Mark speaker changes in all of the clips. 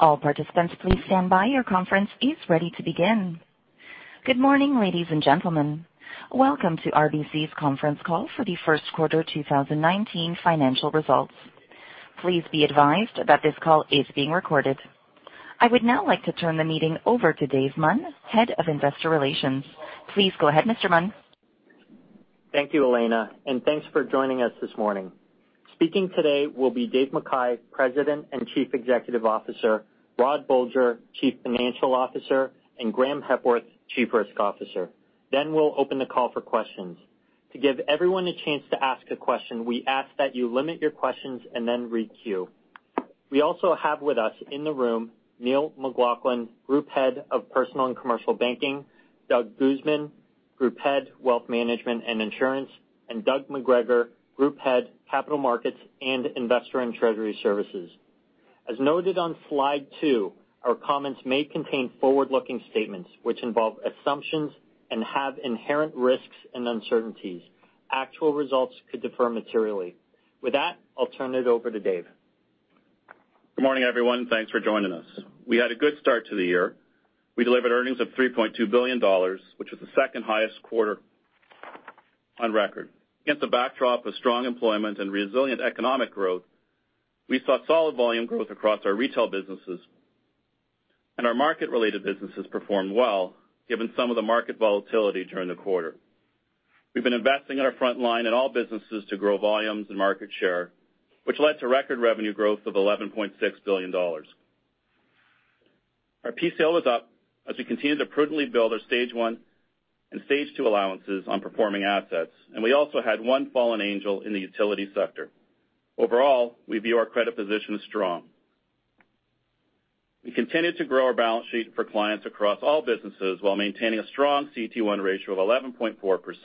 Speaker 1: All participants, please stand by. Your conference is ready to begin. Good morning, ladies and gentlemen. Welcome to RBC's conference call for the first quarter 2019 financial results. Please be advised that this call is being recorded. I would now like to turn the meeting over to Dave Mun, Head of Investor Relations. Please go ahead, Mr. Mun.
Speaker 2: Thank you, Elena, and thanks for joining us this morning. Speaking today will be Dave McKay, President and Chief Executive Officer, Rod Bolger, Chief Financial Officer, and Graeme Hepworth, Chief Risk Officer. We'll open the call for questions. To give everyone a chance to ask a question, we ask that you limit your questions and then re-queue. We also have with us in the room, Neil McLaughlin, Group Head of Personal and Commercial Banking, Doug Guzman, Group Head, Wealth Management and Insurance, and Doug McGregor, Group Head, Capital Markets and Investor & Treasury Services. As noted on slide two, our comments may contain forward-looking statements which involve assumptions and have inherent risks and uncertainties. Actual results could defer materially. With that, I'll turn it over to Dave.
Speaker 3: Good morning, everyone. Thanks for joining us. We had a good start to the year. We delivered earnings of 3.2 billion dollars, which is the second highest quarter on record. Against a backdrop of strong employment and resilient economic growth, we saw solid volume growth across our retail businesses, and our market-related businesses performed well given some of the market volatility during the quarter. We've been investing in our front line in all businesses to grow volumes and market share, which led to record revenue growth of 11.6 billion dollars. Our PCL was up as we continued to prudently build our stage one and stage two allowances on performing assets, and we also had one fallen angel in the utility sector. Overall, we view our credit position as strong. We continued to grow our balance sheet for clients across all businesses while maintaining a strong CET1 ratio of 11.4%,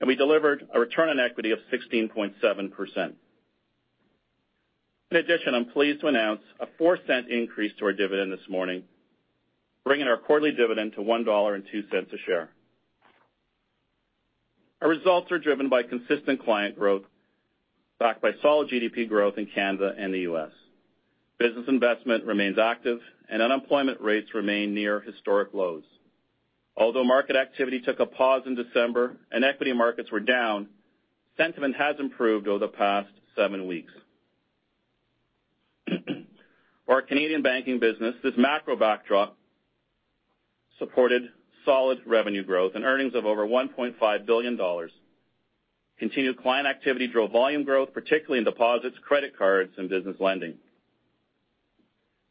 Speaker 3: and we delivered a return on equity of 16.7%. I'm pleased to announce a 0.04 increase to our dividend this morning, bringing our quarterly dividend to 1.02 dollar a share. Our results are driven by consistent client growth, backed by solid GDP growth in Canada and the U.S. Business investment remains active, and unemployment rates remain near historic lows. Market activity took a pause in December and equity markets were down, sentiment has improved over the past seven weeks. For our Canadian banking business, this macro backdrop supported solid revenue growth and earnings of over 1.5 billion dollars. Continued client activity drove volume growth particularly in deposits and credit cards in business lending.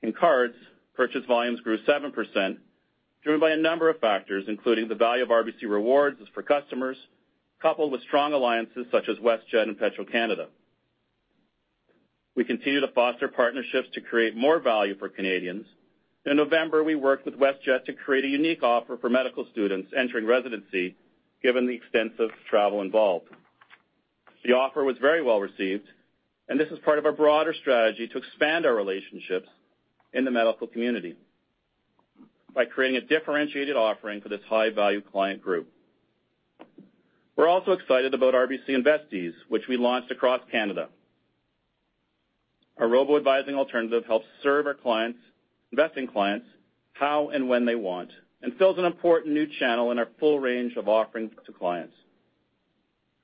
Speaker 3: In cards, purchase volumes grew 7%, driven by a number of factors, including the value of RBC Rewards for customers, coupled with strong alliances such as WestJet and Petro-Canada. We continue to foster partnerships to create more value for Canadians. In November, we worked with WestJet to create a unique offer for medical students entering residency, given the extensive travel involved. The offer was very well received. This is part of our broader strategy to expand our relationships in the medical community by creating a differentiated offering for this high-value client group. We are also excited about RBC InvestEase, which we launched across Canada. Our robo-advising alternative helps serve our investing clients how and when they want and fills an important new channel in our full range of offerings to clients.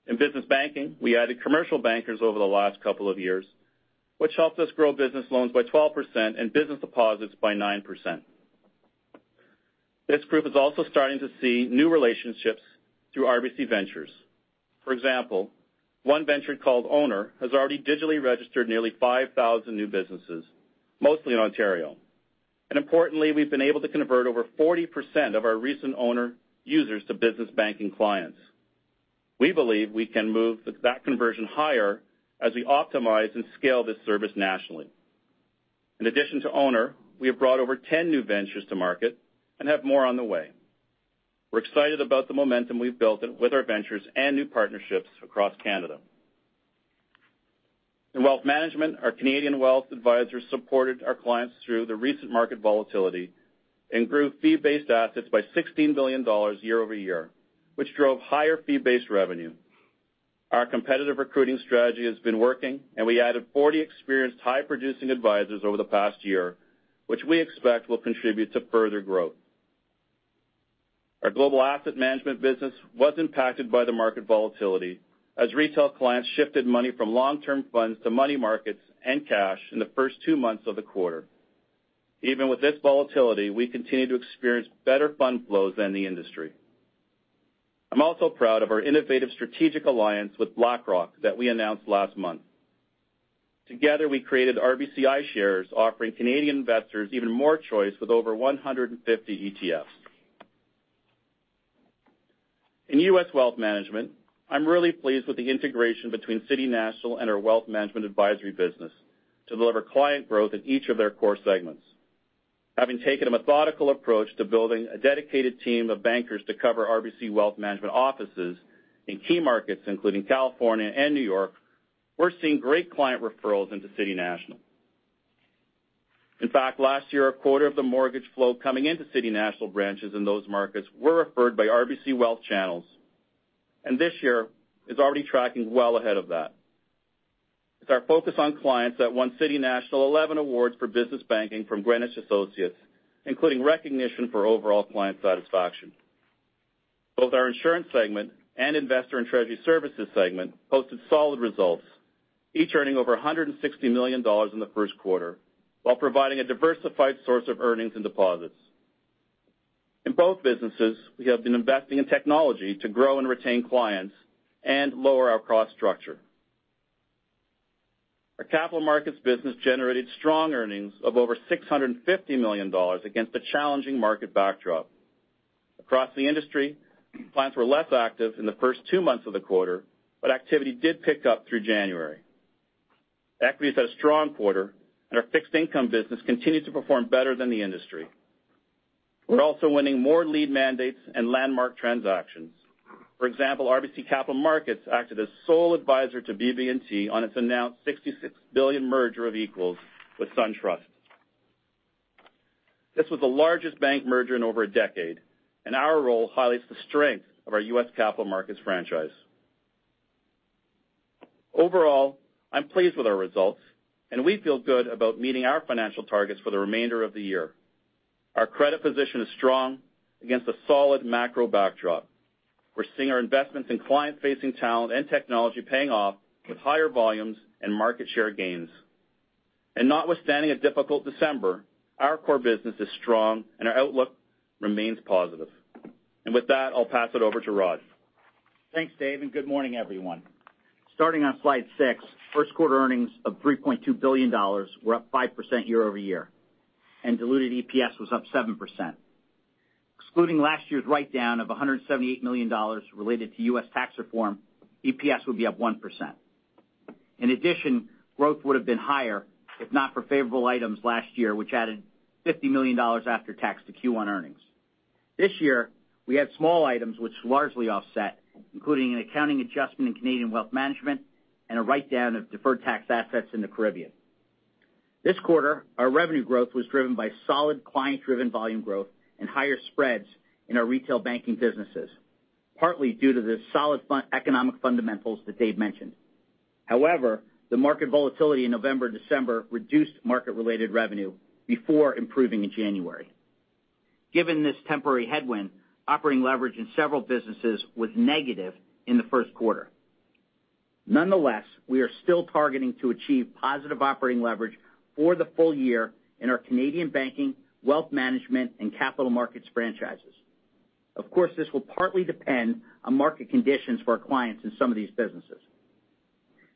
Speaker 3: In business banking, we added commercial bankers over the last couple of years, which helped us grow business loans by 12% and business deposits by 9%. This group is also starting to see new relationships through RBC Ventures. For example, one venture called Ownr has already digitally registered nearly 5,000 new businesses, mostly in Ontario. Importantly, we have been able to convert over 40% of our recent Ownr users to business banking clients. We believe we can move that conversion higher as we optimize and scale this service nationally. In addition to Ownr, we have brought over 10 new ventures to market and have more on the way. We are excited about the momentum we have built with our ventures and new partnerships across Canada. In Wealth Management, our Canadian wealth advisors supported our clients through the recent market volatility and grew fee-based assets by 16 billion dollars year-over-year, which drove higher fee-based revenue. Our competitive recruiting strategy has been working. We added 40 experienced high-producing advisors over the past year, which we expect will contribute to further growth. Our global asset management business was impacted by the market volatility as retail clients shifted money from long-term funds to money markets and cash in the first two months of the quarter. Even with this volatility, we continue to experience better fund flows than the industry. I am also proud of our innovative strategic alliance with BlackRock that we announced last month. Together, we created RBC iShares, offering Canadian investors even more choice with over 150 ETFs. In U.S. Wealth Management, I am really pleased with the integration between City National and our Wealth Management advisory business to deliver client growth in each of their core segments. Having taken a methodical approach to building a dedicated team of bankers to cover RBC Wealth Management offices in key markets, including California and New York, we are seeing great client referrals into City National. In fact, last year, a quarter of the mortgage flow coming into City National branches in those markets were referred by RBC Wealth channels. This year is already tracking well ahead of that. It is our focus on clients that won City National 11 awards for business banking from Greenwich Associates, including recognition for overall client satisfaction. Both our Insurance segment and Investor & Treasury Services segment posted solid results, each earning over 160 million dollars in the first quarter, while providing a diversified source of earnings and deposits. In both businesses, we have been investing in technology to grow and retain clients and lower our cost structure. Our Capital Markets business generated strong earnings of over 650 million dollars against a challenging market backdrop. Across the industry, clients were less active in the first two months of the quarter, but activity did pick up through January. Equities had a strong quarter, and our fixed-income business continued to perform better than the industry. We are also winning more lead mandates and landmark transactions. For example, RBC Capital Markets acted as sole advisor to BB&T on its announced 66 billion merger of equals with SunTrust. This was the largest bank merger in over a decade, and our role highlights the strength of our U.S. Capital Markets franchise. Overall, I am pleased with our results, and we feel good about meeting our financial targets for the remainder of the year. Our credit position is strong against a solid macro backdrop. We are seeing our investments in client-facing talent and technology paying off with higher volumes and market share gains. Notwithstanding a difficult December, our core business is strong, and our outlook remains positive. With that, I will pass it over to Rod.
Speaker 4: Thanks, Dave, good morning, everyone. Starting on slide six, first quarter earnings of 3.2 billion dollars were up 5% year-over-year, and diluted EPS was up 7%. Excluding last year's write-down of 178 million dollars related to U.S. tax reform, EPS would be up 1%. In addition, growth would have been higher if not for favorable items last year, which added 50 million dollars after tax to Q1 earnings. This year, we have small items which largely offset, including an accounting adjustment in Canadian Wealth Management and a write-down of deferred tax assets in the Caribbean. This quarter, our revenue growth was driven by solid client-driven volume growth and higher spreads in our retail banking businesses, partly due to the solid fund economic fundamentals that Dave mentioned. However, the market volatility in November, December reduced market-related revenue before improving in January. Given this temporary headwind, operating leverage in several businesses was negative in the first quarter. Nonetheless, we are still targeting to achieve positive operating leverage for the full year in our Canadian banking, Wealth Management, and Capital Markets franchises. Of course, this will partly depend on market conditions for our clients in some of these businesses.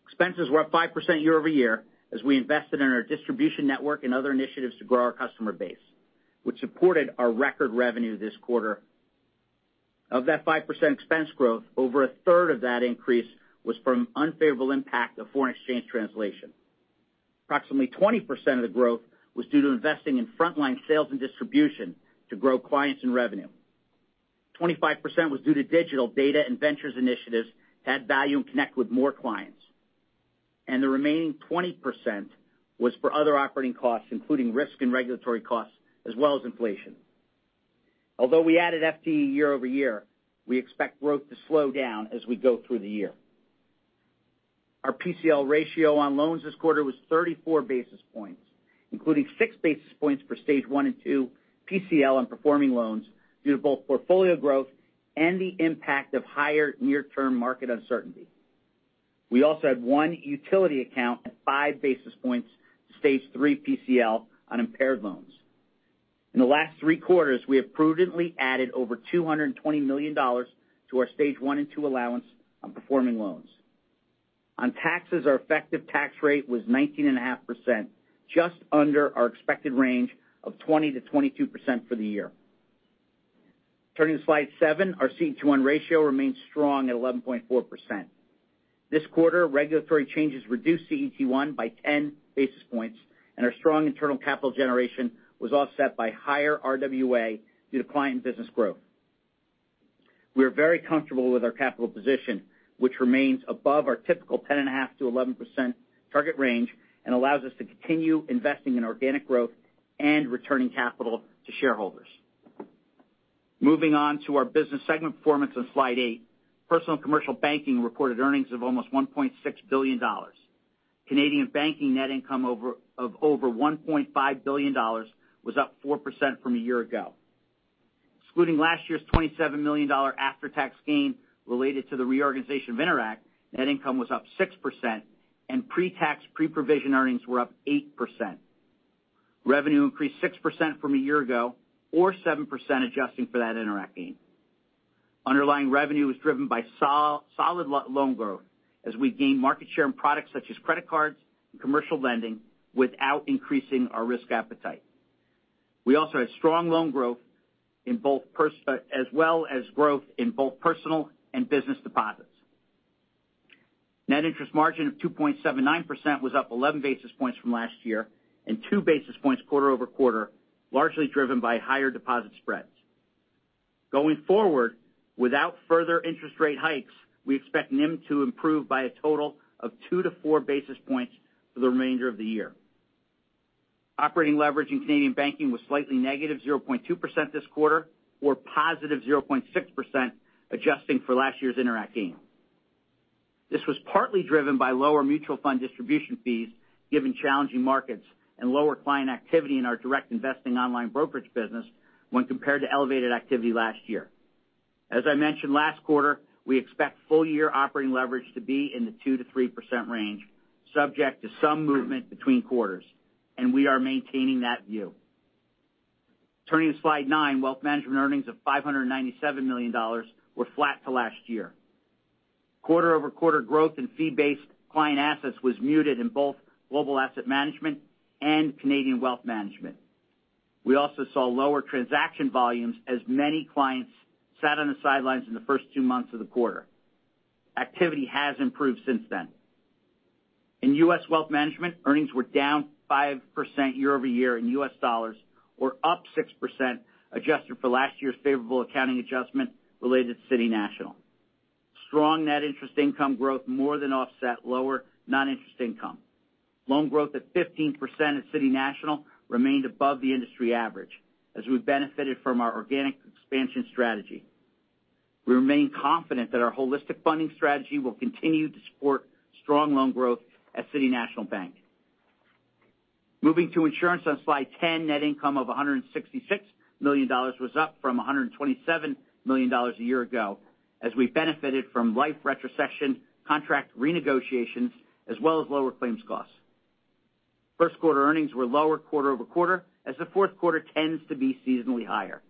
Speaker 4: Expenses were up 5% year-over-year as we invested in our distribution network and other initiatives to grow our customer base, which supported our record revenue this quarter. Of that 5% expense growth, over a third of that increase was from unfavorable impact of foreign exchange translation. Approximately 20% of the growth was due to investing in frontline sales and distribution to grow clients and revenue. 25% was due to digital data and ventures initiatives to add value and connect with more clients. The remaining 20% was for other operating costs, including risk and regulatory costs, as well as inflation. Although we added FTE year-over-year, we expect growth to slow down as we go through the year. Our PCL ratio on loans this quarter was 34 basis points, including six basis points for stage one and two PCL on performing loans due to both portfolio growth and the impact of higher near-term market uncertainty. We also had one utility account at five basis points stage three PCL on impaired loans. In the last three quarters, we have prudently added over 220 million dollars to our stage one and two allowance on performing loans. On taxes, our effective tax rate was 19.5%, just under our expected range of 20%-22% for the year. Turning to slide seven, our CET1 ratio remains strong at 11.4%. This quarter, regulatory changes reduced CET1 by 10 basis points. Our strong internal capital generation was offset by higher RWA due to client business growth. We are very comfortable with our capital position, which remains above our typical 10.5%-11% target range and allows us to continue investing in organic growth and returning capital to shareholders. Moving on to our business segment performance on slide eight. Personal and commercial banking reported earnings of almost 1.6 billion Canadian dollars. Canadian banking net income of over 1.5 billion dollars was up 4% from a year ago. Excluding last year's 27 million dollar after-tax gain related to the reorganization of Interac, net income was up 6%, and pre-tax, pre-provision earnings were up 8%. Revenue increased 6% from a year ago or 7% adjusting for that Interac gain. Underlying revenue was driven by solid loan growth as we gained market share in products such as credit cards and commercial lending without increasing our risk appetite. We also had strong loan growth as well as growth in both personal and business deposits. Net interest margin of 2.79% was up 11 basis points from last year and two basis points quarter-over-quarter, largely driven by higher deposit spreads. Going forward, without further interest rate hikes, we expect NIM to improve by a total of 2-4 basis points for the remainder of the year. Operating leverage in Canadian banking was slightly negative 0.2% this quarter or positive 0.6% adjusting for last year's Interac gain. This was partly driven by lower mutual fund distribution fees, given challenging markets and lower client activity in our direct investing online brokerage business when compared to elevated activity last year. As I mentioned last quarter, we expect full-year operating leverage to be in the 2%-3% range, subject to some movement between quarters. We are maintaining that view. Turning to slide nine, Wealth Management earnings of 597 million dollars were flat to last year. Quarter-over-quarter growth in fee-based client assets was muted in both global asset management and Canadian Wealth Management. We also saw lower transaction volumes as many clients sat on the sidelines in the first two months of the quarter. Activity has improved since then. In U.S. Wealth Management, earnings were down 5% year-over-year in U.S. dollars or up 6% adjusted for last year's favorable accounting adjustment related to City National. Strong net interest income growth more than offset lower non-interest income. Loan growth at 15% at City National remained above the industry average as we benefited from our organic expansion strategy. We remain confident that our holistic funding strategy will continue to support strong loan growth at City National Bank. Moving to insurance on slide 10, net income of 166 million dollars was up from 127 million dollars a year ago, as we benefited from life retrocession contract renegotiations, as well as lower claims costs. First quarter earnings were lower quarter-over-quarter, as the fourth quarter tends to be seasonally higher.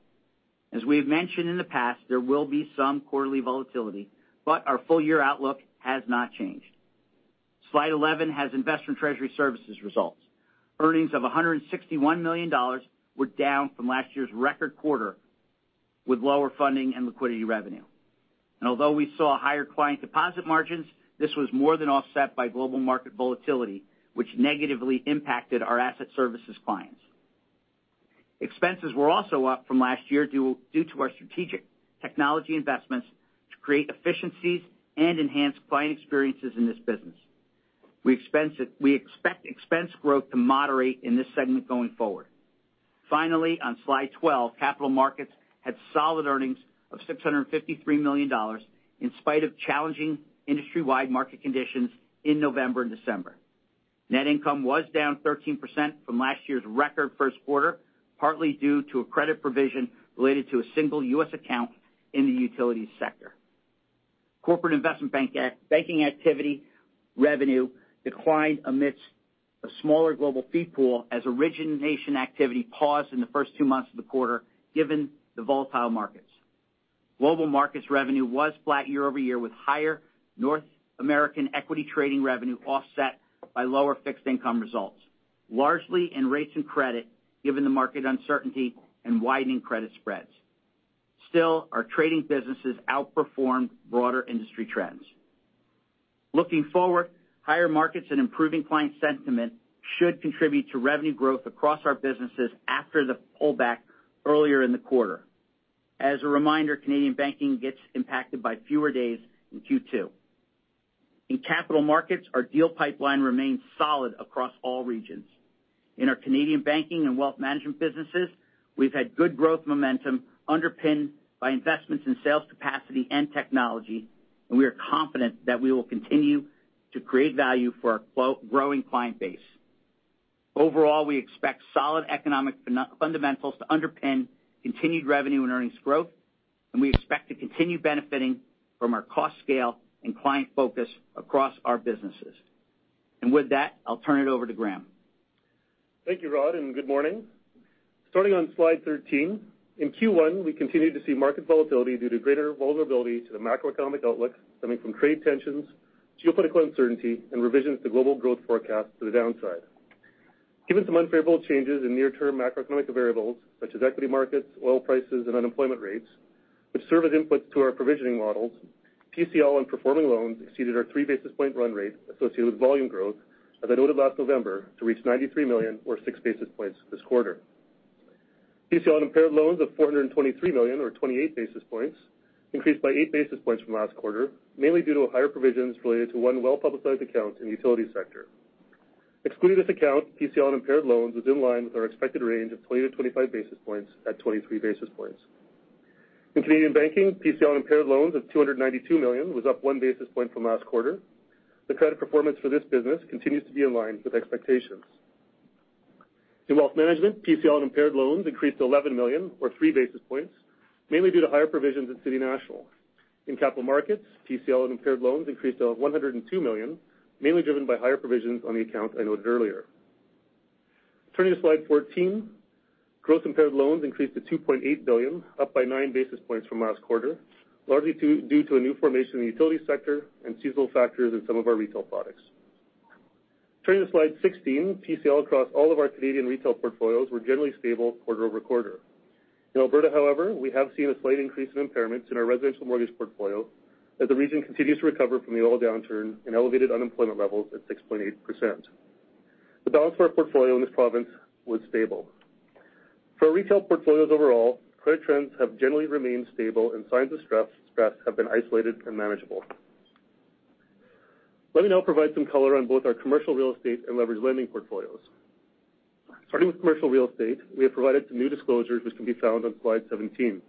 Speaker 4: As we have mentioned in the past, there will be some quarterly volatility, but our full-year outlook has not changed. Slide 11 has Investor & Treasury Services results. Earnings of 161 million dollars were down from last year's record quarter with lower funding and liquidity revenue. Although we saw higher client deposit margins, this was more than offset by global market volatility, which negatively impacted our asset services clients. Expenses were also up from last year due to our strategic technology investments to create efficiencies and enhance client experiences in this business. We expect expense growth to moderate in this segment going forward. Finally, on slide 12, Capital Markets had solid earnings of 653 million dollars in spite of challenging industry-wide market conditions in November and December. Net income was down 13% from last year's record first quarter, partly due to a credit provision related to a single U.S. account in the utilities sector. Corporate Investment Banking activity revenue declined amidst a smaller global fee pool as origination activity paused in the first two months of the quarter, given the volatile markets. Global Markets revenue was flat year-over-year with higher North American equity trading revenue offset by lower fixed income results, largely in rates and credit, given the market uncertainty and widening credit spreads. Our trading businesses outperformed broader industry trends. Looking forward, higher markets and improving client sentiment should contribute to revenue growth across our businesses after the pullback earlier in the quarter. As a reminder, Canadian Banking gets impacted by fewer days in Q2. In Capital Markets, our deal pipeline remains solid across all regions. In our Canadian Banking and Wealth Management businesses, we've had good growth momentum underpinned by investments in sales capacity and technology, and we are confident that we will continue to create value for our growing client base. Overall, we expect solid economic fundamentals to underpin continued revenue and earnings growth, and we expect to continue benefiting from our cost scale and client focus across our businesses. With that, I'll turn it over to Graeme.
Speaker 5: Thank you, Rod, and good morning. Starting on slide 13, in Q1, we continued to see market volatility due to greater vulnerability to the macroeconomic outlook, stemming from trade tensions, geopolitical uncertainty, and revisions to global growth forecasts to the downside. Given some unfavorable changes in near-term macroeconomic variables, such as equity markets, oil prices, and unemployment rates, which serve as inputs to our provisioning models, PCL on performing loans exceeded our three basis point run rate associated with volume growth as I noted last November to reach 93 million or 6 basis points this quarter. PCL on impaired loans of 423 million or 28 basis points increased by 8 basis points from last quarter, mainly due to higher provisions related to one well-publicized account in the utility sector. Excluding this account, PCL on impaired loans was in line with our expected range of 20-25 basis points at 23 basis points. In Canadian Banking, PCL on impaired loans of 292 million was up one basis point from last quarter. The credit performance for this business continues to be in line with expectations. In Wealth Management, PCL on impaired loans increased to 11 million or 3 basis points, mainly due to higher provisions at City National. In Capital Markets, PCL on impaired loans increased to 102 million, mainly driven by higher provisions on the account I noted earlier. Turning to slide 14, gross impaired loans increased to 2.8 billion, up by 9 basis points from last quarter, largely due to a new formation in the utility sector and seasonal factors in some of our retail products. Turning to slide 16, PCL across all of our Canadian retail portfolios were generally stable quarter-over-quarter. In Alberta, however, we have seen a slight increase in impairments in our residential mortgage portfolio as the region continues to recover from the oil downturn and elevated unemployment levels at 6.8%. The balance for our portfolio in this province was stable. For our retail portfolios overall, credit trends have generally remained stable and signs of stress have been isolated and manageable. Let me now provide some color on both our commercial real estate and leveraged lending portfolios. Starting with commercial real estate, we have provided some new disclosures, which can be found on slide 17.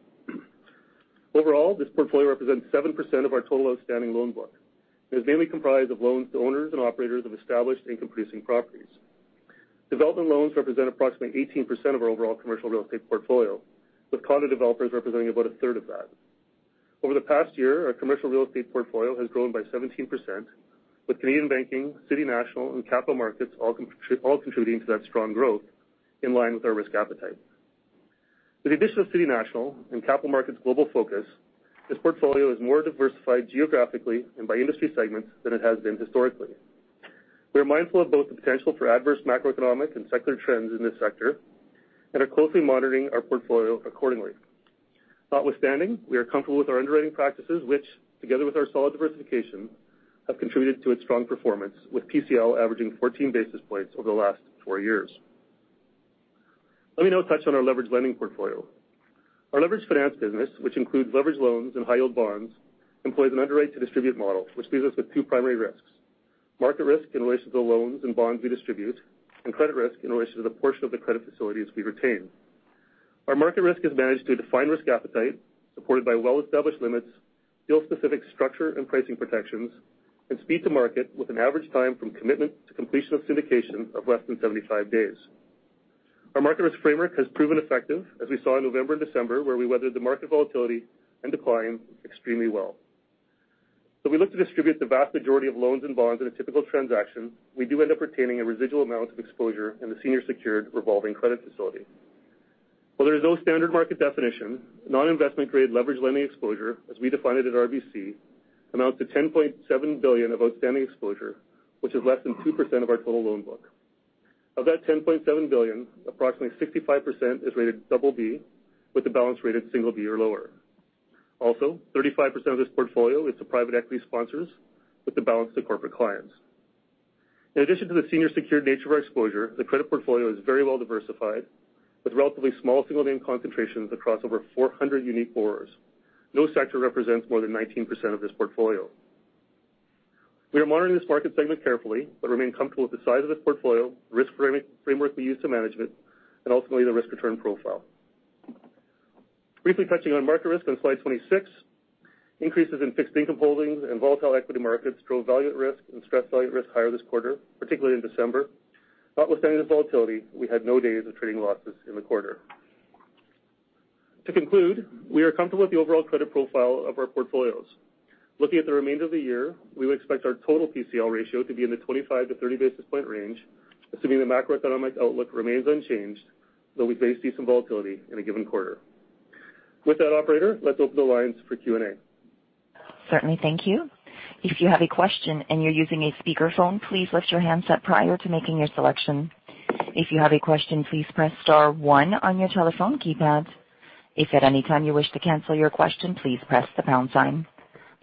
Speaker 5: Overall, this portfolio represents 7% of our total outstanding loan book, and is mainly comprised of loans to owners and operators of established and comprising properties. Development loans represent approximately 18% of our overall commercial real estate portfolio, with condo developers representing about a third of that. Over the past year, our commercial real estate portfolio has grown by 17%, with Canadian Banking, City National, and Capital Markets all contributing to that strong growth in line with our risk appetite. With the addition of City National and Capital Markets' global focus, this portfolio is more diversified geographically and by industry segments than it has been historically. We are mindful of both the potential for adverse macroeconomic and secular trends in this sector and are closely monitoring our portfolio accordingly. Notwithstanding, we are comfortable with our underwriting practices, which, together with our solid diversification, have contributed to its strong performance with PCL averaging 14 basis points over the last four years. Let me now touch on our leveraged lending portfolio. Our leveraged finance business, which includes leveraged loans and high-yield bonds, employs an underwrite to distribute model, which leaves us with two primary risks: market risk in relation to the loans and bonds we distribute, and credit risk in relation to the portion of the credit facilities we retain. Our market risk is managed through defined risk appetite, supported by well-established limits, deal-specific structure and pricing protections, and speed to market with an average time from commitment to completion of syndication of less than 75 days. Our market risk framework has proven effective, as we saw in November and December, where we weathered the market volatility and decline extremely well. Though we look to distribute the vast majority of loans and bonds in a typical transaction, we do end up retaining a residual amount of exposure in the senior secured revolving credit facility. While there is no standard market definition, non-investment grade leveraged lending exposure, as we define it at RBC, amounts to 10.7 billion of outstanding exposure, which is less than 2% of our total loan book. Of that 10.7 billion, approximately 65% is rated BB, with the balance rated single B or lower. Also, 35% of this portfolio is to private equity sponsors with the balance to corporate clients. In addition to the senior secured nature of our exposure, the credit portfolio is very well diversified with relatively small single-name concentrations across over 400 unique borrowers. No sector represents more than 19% of this portfolio. We are monitoring this market segment carefully, but remain comfortable with the size of the portfolio, the risk framework we use to manage it, and ultimately, the risk-return profile. Briefly touching on market risk on slide 26, increases in fixed income holdings and volatile equity markets drove value at risk and stress value at risk higher this quarter, particularly in December. Notwithstanding this volatility, we had no days of trading losses in the quarter. To conclude, we are comfortable with the overall credit profile of our portfolios. Looking at the remainder of the year, we would expect our total PCL ratio to be in the 25-30 basis point range, assuming the macroeconomic outlook remains unchanged, though we may see some volatility in a given quarter. With that, operator, let's open the lines for Q&A.
Speaker 1: Certainly. Thank you. If you have a question and you're using a speakerphone, please lift your handset prior to making your selection. If you have a question, please press star one on your telephone keypads. If at any time you wish to cancel your question, please press the pound sign.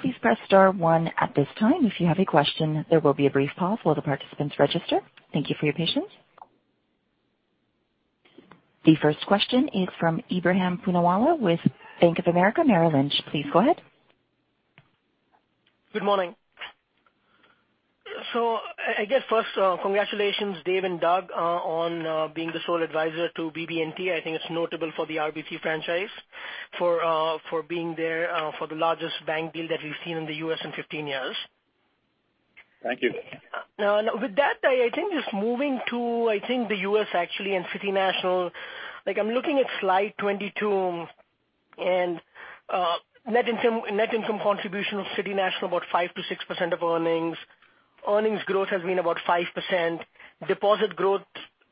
Speaker 1: Please press star one at this time if you have a question. There will be a brief pause while the participants register. Thank you for your patience. The first question is from Ebrahim Poonawala with Bank of America Merrill Lynch. Please go ahead.
Speaker 6: Good morning. I guess first, congratulations, Dave and Doug, on being the sole advisor to BB&T. I think it's notable for the RBC franchise for being there for the largest bank deal that we've seen in the U.S. in 15 years.
Speaker 3: Thank you.
Speaker 6: With that, I think just moving to the U.S. actually and City National. I'm looking at slide 22 and net income contribution of City National, about 5%-6% of earnings. Earnings growth has been about 5%. Deposits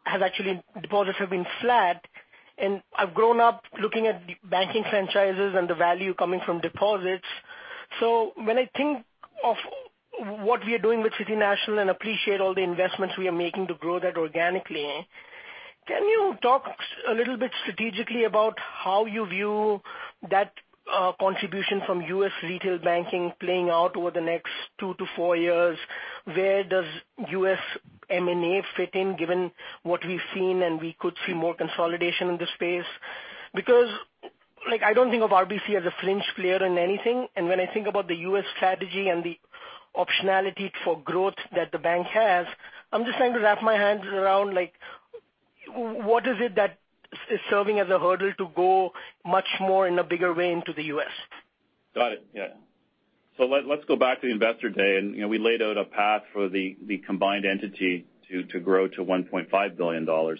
Speaker 6: have been flat, and I've grown up looking at banking franchises and the value coming from deposits. When I think of what we are doing with City National and appreciate all the investments we are making to grow that organically, can you talk a little bit strategically about how you view that contribution from U.S. retail banking playing out over the next two to four years? Where does U.S. M&A fit in, given what we've seen and we could see more consolidation in the space? I don't think of RBC as a flinch player in anything, and when I think about the U.S. strategy and the optionality for growth that the bank has, I'm just trying to wrap my head around what is it that is serving as a hurdle to go much more in a bigger way into the U.S.
Speaker 3: Got it. Yeah. Let's go back to Investor Day. We laid out a path for the combined entity to grow to 1.5 billion dollars.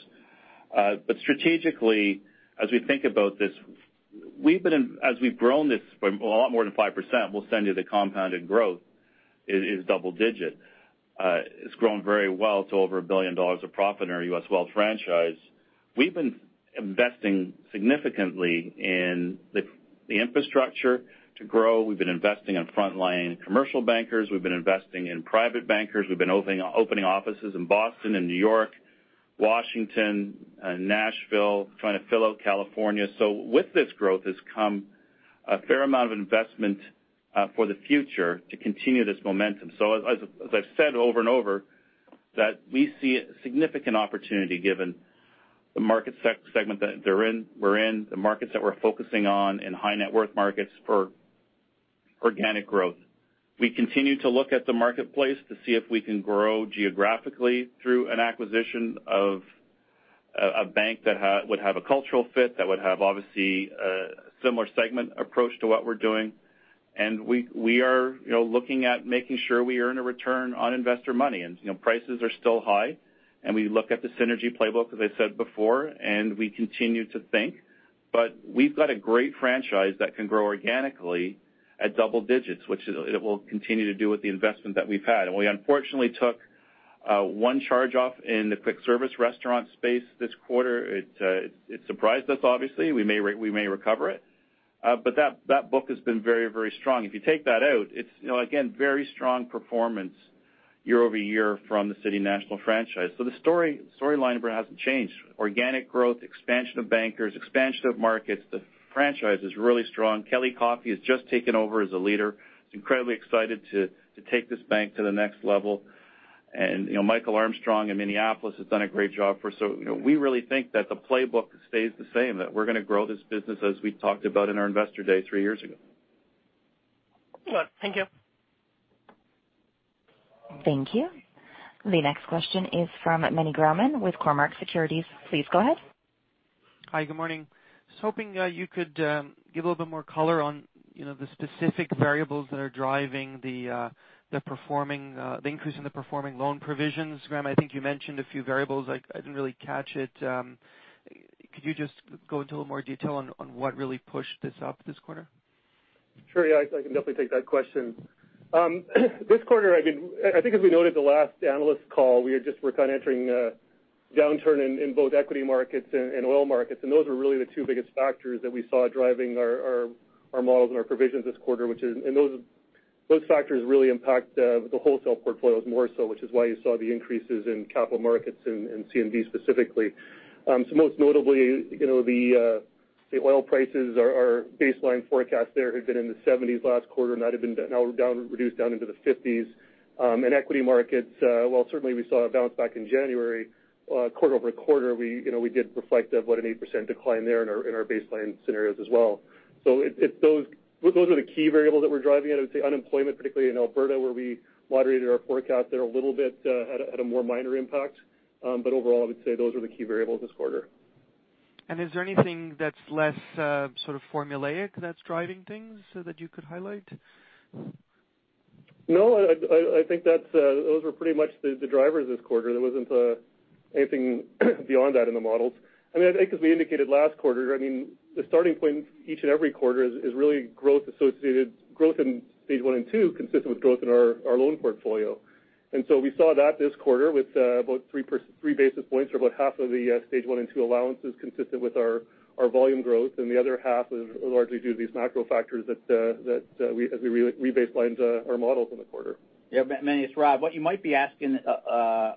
Speaker 3: Strategically, as we think about this, as we've grown this from a lot more than 5%, we'll send you the compounded growth. It is double digit. It's grown very well to over 1 billion dollars of profit in our U.S. Wealth franchise. We've been investing significantly in the infrastructure to grow. We've been investing in frontline commercial bankers. We've been investing in private bankers. We've been opening offices in Boston and New York, Washington, Nashville, trying to fill out California. With this growth has come A fair amount of investment for the future to continue this momentum. As I've said over and over, that we see a significant opportunity given the market segment that we're in, the markets that we're focusing on in high net worth markets for organic growth. We continue to look at the marketplace to see if we can grow geographically through an acquisition of a bank that would have a cultural fit, that would have, obviously, a similar segment approach to what we're doing. We are looking at making sure we earn a return on investor money. Prices are still high, and we look at the synergy playbook, as I said before, and we continue to think, but we've got a great franchise that can grow organically at double digits, which it will continue to do with the investment that we've had. We unfortunately took one charge-off in the quick service restaurant space this quarter. It surprised us obviously. We may recover it. That book has been very, very strong. If you take that out, it's again, very strong performance year-over-year from the City National franchise. The storyline hasn't changed. Organic growth, expansion of bankers, expansion of markets. The franchise is really strong. Kelly Coffey has just taken over as a leader. He's incredibly excited to take this bank to the next level. Michael Armstrong in Minneapolis has done a great job for us. We really think that the playbook stays the same, that we're going to grow this business as we talked about in our investor day three years ago.
Speaker 4: Thank you.
Speaker 1: Thank you. The next question is from Meny Grauman with Cormark Securities. Please go ahead.
Speaker 7: Hi, good morning. Just hoping you could give a little bit more color on the specific variables that are driving the increase in the performing loan provisions. Graeme, I think you mentioned a few variables. I didn't really catch it. Could you just go into a little more detail on what really pushed this up this quarter?
Speaker 5: Sure. Yeah, I can definitely take that question. This quarter, I think as we noted the last analyst call, we were kind of entering a downturn in both equity markets and oil markets, those were really the two biggest factors that we saw driving our models and our provisions this quarter. Those factors really impact the wholesale portfolios more so, which is why you saw the increases in Capital Markets and C&D specifically. Most notably, the oil prices. Our baseline forecast there had been in the $70s last quarter, now reduced down into the CAD 50s. Equity markets, while certainly we saw a bounce back in January, quarter-over-quarter, we did reflect what, an 8% decline there in our baseline scenarios as well. Those are the key variables that we're driving. I would say unemployment, particularly in Alberta, where we moderated our forecast there a little bit, had a more minor impact. Overall, I would say those are the key variables this quarter.
Speaker 7: Is there anything that's less sort of formulaic that's driving things that you could highlight?
Speaker 5: I think those were pretty much the drivers this quarter. There wasn't anything beyond that in the models. I mean, I think as we indicated last quarter, the starting point each and every quarter is really growth in stage one and two consistent with growth in our loan portfolio. We saw that this quarter with about three basis points or about half of the stage one and two allowances consistent with our volume growth, and the other half is largely due to these macro factors that as we rebaselined our models in the quarter.
Speaker 4: Yeah, Meny, it's Rod. What you might be asking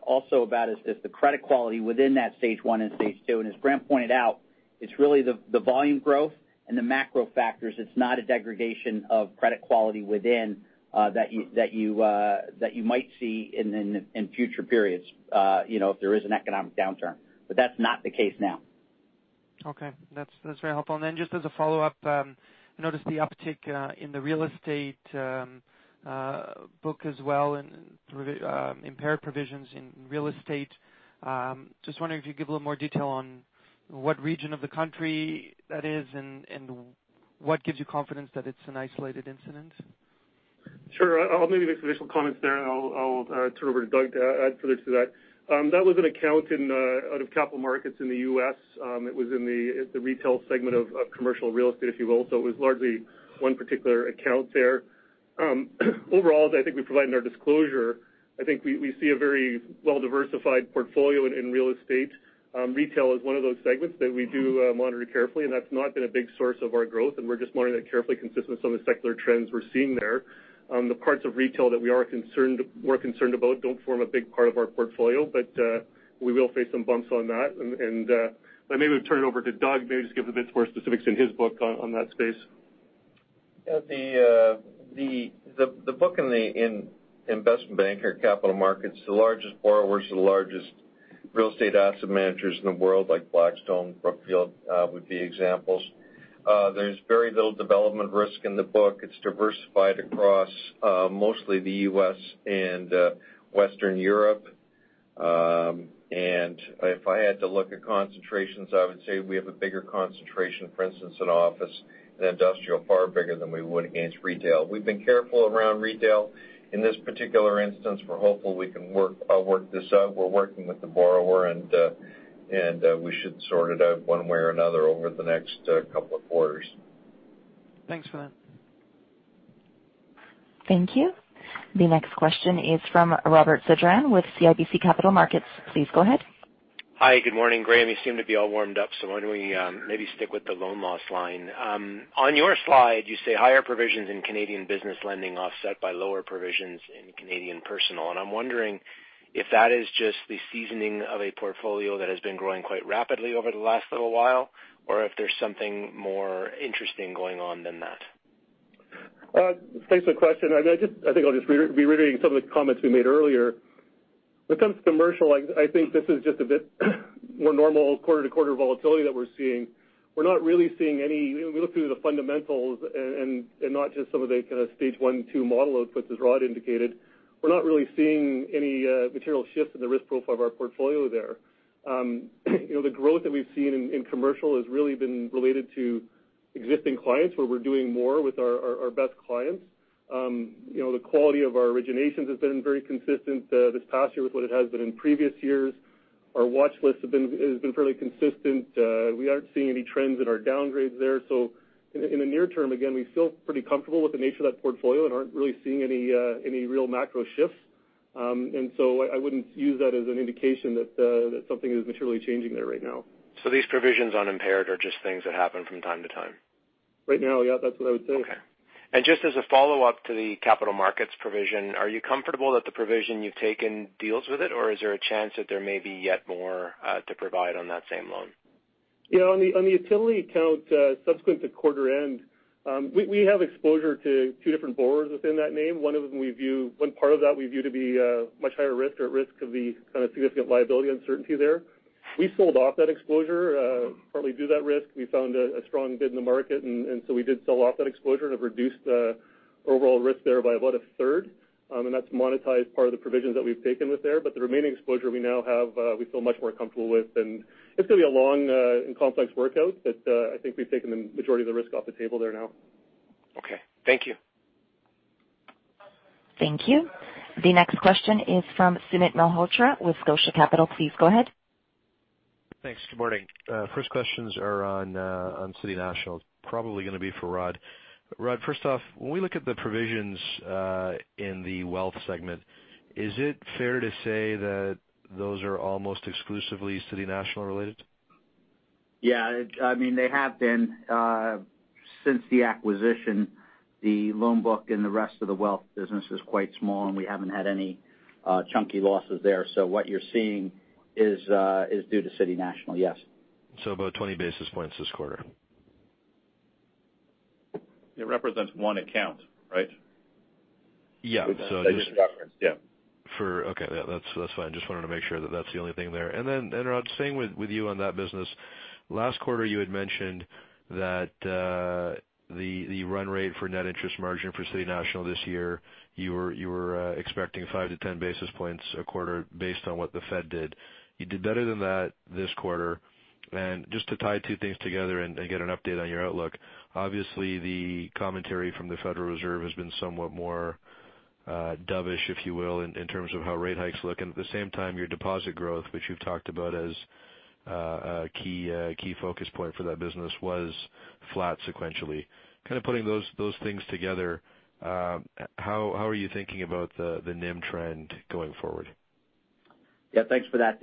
Speaker 4: also about is just the credit quality within that Stage 1 and Stage 2. As Graeme pointed out, it's really the volume growth and the macro factors. It's not a degradation of credit quality within that you might see in future periods if there is an economic downturn. That's not the case now.
Speaker 7: Okay. That's very helpful. Just as a follow-up, I noticed the uptick in the real estate book as well, in impaired provisions in real estate. Just wondering if you could give a little more detail on what region of the country that is and what gives you confidence that it's an isolated incident?
Speaker 5: Sure. I'll maybe make some initial comments there. I'll turn it over to Doug to add further to that. That was an account out of Capital Markets in the U.S. It was in the retail segment of commercial real estate, if you will. It was largely one particular account there. Overall, as I think we provided in our disclosure, I think we see a very well-diversified portfolio in real estate. Retail is one of those segments that we do monitor carefully. That's not been a big source of our growth, and we're just monitoring it carefully consistent with some of the secular trends we're seeing there. The parts of retail that we're concerned about don't form a big part of our portfolio. We will face some bumps on that.
Speaker 3: Maybe we'll turn it over to Doug, maybe just give a bit more specifics in his book on that space.
Speaker 8: Yeah. The book in investment banker Capital Markets, the largest borrowers are the largest real estate asset managers in the world, like Blackstone, Brookfield, would be examples. There is very little development risk in the book. It is diversified across mostly the U.S. and Western Europe. If I had to look at concentrations, I would say we have a bigger concentration, for instance, in office and industrial, far bigger than we would against retail. We have been careful around retail. In this particular instance, we are hopeful we can work this out. We are working with the borrower, and we should sort it out one way or another over the next couple of quarters.
Speaker 7: Thanks for that.
Speaker 1: Thank you. The next question is from Robert Sedran with CIBC Capital Markets. Please go ahead.
Speaker 9: Hi, good morning. Graeme, you seem to be all warmed up, why don't we maybe stick with the loan loss line. On your slide, you say higher provisions in Canadian business lending offset by lower provisions in Canadian personal, I'm wondering if that is just the seasoning of a portfolio that has been growing quite rapidly over the last little while, or if there's something more interesting going on than that?
Speaker 5: Thanks for the question. I think I'll just be reiterating some of the comments we made earlier. When it comes to commercial, I think this is just a bit more normal quarter-to-quarter volatility that we're seeing. When we look through the fundamentals and not just some of the kind of stage one, two model outputs, as Rod indicated, we're not really seeing any material shift in the risk profile of our portfolio there. The growth that we've seen in commercial has really been related to existing clients where we're doing more with our best clients. The quality of our originations has been very consistent this past year with what it has been in previous years. Our watch lists have been fairly consistent. We aren't seeing any trends in our downgrades there. In the near term, again, we feel pretty comfortable with the nature of that portfolio and aren't really seeing any real macro shifts. I wouldn't use that as an indication that something is materially changing there right now.
Speaker 9: These provisions on impaired are just things that happen from time to time.
Speaker 5: Right now, yeah. That's what I would say.
Speaker 9: Okay. Just as a follow-up to the Capital Markets provision, are you comfortable that the provision you've taken deals with it or is there a chance that there may be yet more to provide on that same loan?
Speaker 5: Yeah. On the utility account, subsequent to quarter end, we have exposure to two different borrowers within that name. One part of that we view to be much higher risk or at risk of the kind of significant liability uncertainty there. We sold off that exposure partly due to that risk. We found a strong bid in the market, so we did sell off that exposure and have reduced the overall risk there by about a third. That's monetized part of the provisions that we've taken with there. The remaining exposure we now have, we feel much more comfortable with. It's going to be a long and complex workout. I think we've taken the majority of the risk off the table there now.
Speaker 9: Okay. Thank you.
Speaker 1: Thank you. The next question is from Sumit Malhotra with Scotia Capital. Please go ahead.
Speaker 10: Thanks. Good morning. First questions are on City National, probably going to be for Rod. Rod, first off, when we look at the provisions in the wealth segment, is it fair to say that those are almost exclusively City National related?
Speaker 4: Yeah. They have been since the acquisition. The loan book and the rest of the wealth business is quite small, and we haven't had any chunky losses there. What you're seeing is due to City National, yes.
Speaker 10: About 20 basis points this quarter.
Speaker 5: It represents one account, right?
Speaker 10: Yeah.
Speaker 4: I just referenced, yeah.
Speaker 10: Okay. That's fine. Just wanted to make sure that that's the only thing there. Rod, staying with you on that business. Last quarter, you had mentioned that the run rate for net interest margin for City National this year, you were expecting 5-10 basis points a quarter based on what the Fed did. You did better than that this quarter. Just to tie two things together and get an update on your outlook, obviously, the commentary from the Federal Reserve has been somewhat more dovish, if you will, in terms of how rate hikes look. At the same time, your deposit growth, which you've talked about as a key focus point for that business, was flat sequentially. Kind of putting those things together, how are you thinking about the NIM trend going forward?
Speaker 4: Yeah. Thanks for that.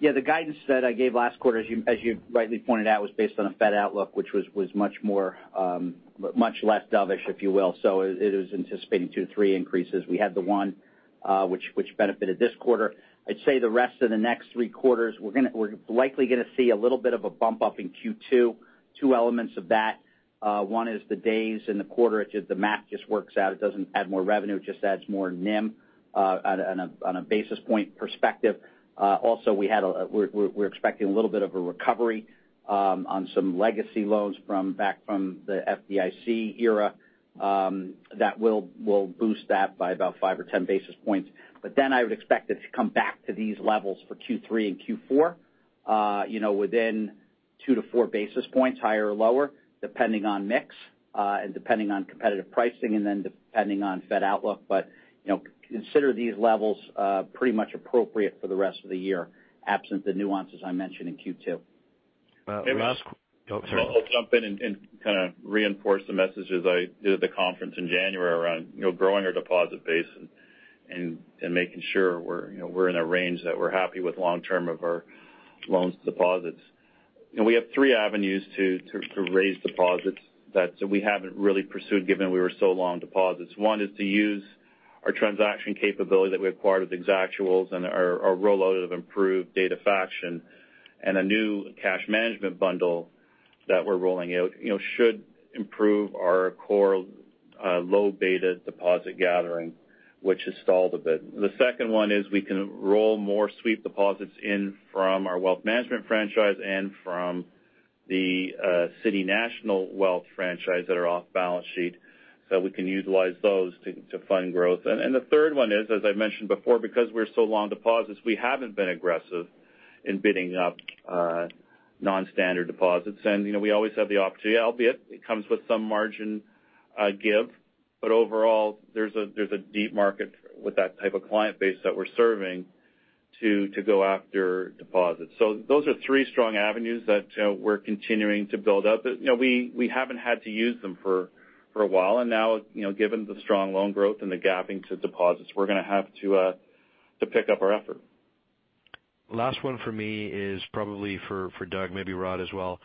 Speaker 4: Yeah, the guidance that I gave last quarter, as you rightly pointed out, was based on a Fed outlook, which was much less dovish, if you will. It was anticipating two to three increases. We had the one which benefited this quarter. I'd say the rest of the next three quarters, we're likely going to see a little bit of a bump up in Q2. Two elements of that. One is the days in the quarter. The math just works out. It doesn't add more revenue, it just adds more NIM on a basis point perspective. Also, we're expecting a little bit of a recovery on some legacy loans back from the FDIC era that will boost that by about 5-10 basis points. I would expect it to come back to these levels for Q3 and Q4 within 2-4 basis points higher or lower, depending on mix and depending on competitive pricing, depending on Fed outlook. Consider these levels pretty much appropriate for the rest of the year, absent the nuances I mentioned in Q2.
Speaker 3: I'll jump in and kind of reinforce the messages I did at the conference in January around growing our deposit base and making sure we're in a range that we're happy with long term of our loans deposits. We have three avenues to raise deposits that we haven't really pursued given we were so long deposits. One is to use our transaction capability that we acquired with Exactuals and our rollout of improved data faction and a new cash management bundle that we're rolling out should improve our core low beta deposit gathering, which has stalled a bit. The second one is we can roll more sweep deposits in from our Wealth Management franchise and from the City National wealth franchise that are off balance sheet, so we can utilize those to fund growth. The third one is, as I mentioned before, because we're so long deposits, we haven't been aggressive in bidding up non-standard deposits. We always have the opportunity, albeit it comes with some margin give, but overall, there's a deep market with that type of client base that we're serving to go after deposits. Those are 3 strong avenues that we're continuing to build up. We haven't had to use them for a while, and now given the strong loan growth and the gapping to deposits, we're going to have to pick up our effort.
Speaker 10: Last one for me is probably for Doug, maybe Rod as well.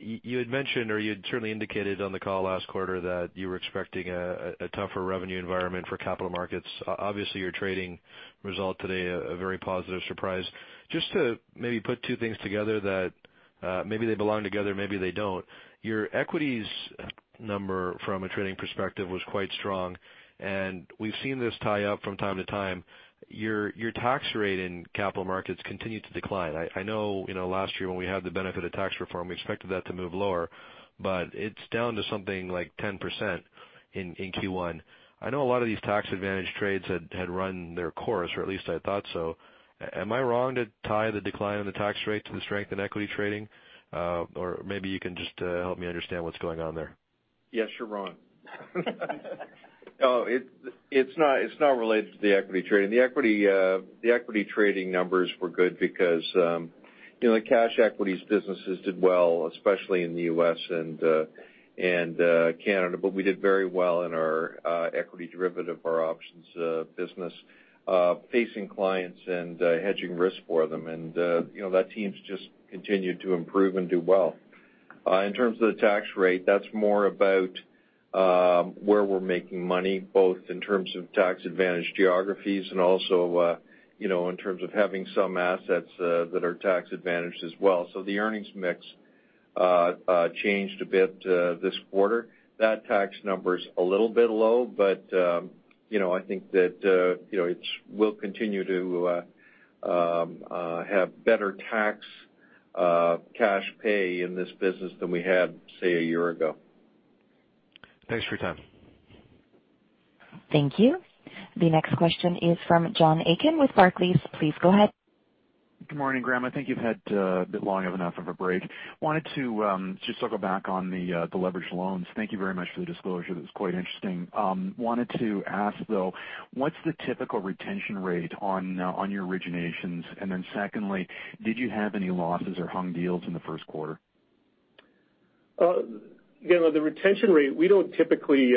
Speaker 10: You had mentioned, or you had certainly indicated on the call last quarter that you were expecting a tougher revenue environment for Capital Markets. Obviously, your trading result today, a very positive surprise. Just to maybe put two things together that maybe they belong together, maybe they don't. Your equities number from a trading perspective was quite strong, and we've seen this tie up from time to time. Your tax rate in Capital Markets continued to decline. I know last year when we had the benefit of Tax Reform, we expected that to move lower, but it's down to something like 10% in Q1. I know a lot of these tax advantage trades had run their course, or at least I thought so. Am I wrong to tie the decline in the tax rate to the strength in equity trading? Maybe you can just help me understand what's going on there.
Speaker 8: Yes, you're wrong. It's not related to the equity trading. The equity trading numbers were good because the cash equities businesses did well, especially in the U.S. and Canada. We did very well in our equity derivative, our options business, facing clients and hedging risk for them. That team's just continued to improve and do well. In terms of the tax rate, that's more about where we're making money, both in terms of tax advantage geographies and also in terms of having some assets that are tax advantaged as well. The earnings mix changed a bit this quarter. That tax number's a little bit low, but I think that we'll continue to have better tax cash pay in this business than we had, say, a year ago.
Speaker 10: Thanks for your time.
Speaker 1: Thank you. The next question is from John Aitken with Barclays. Please go ahead.
Speaker 11: Good morning, Graeme. I think you've had a bit long of enough of a break. Wanted to just circle back on the leveraged loans. Thank you very much for the disclosure. That was quite interesting. Wanted to ask, though, what's the typical retention rate on your originations? Secondly, did you have any losses or hung deals in the first quarter?
Speaker 5: The retention rate, we don't typically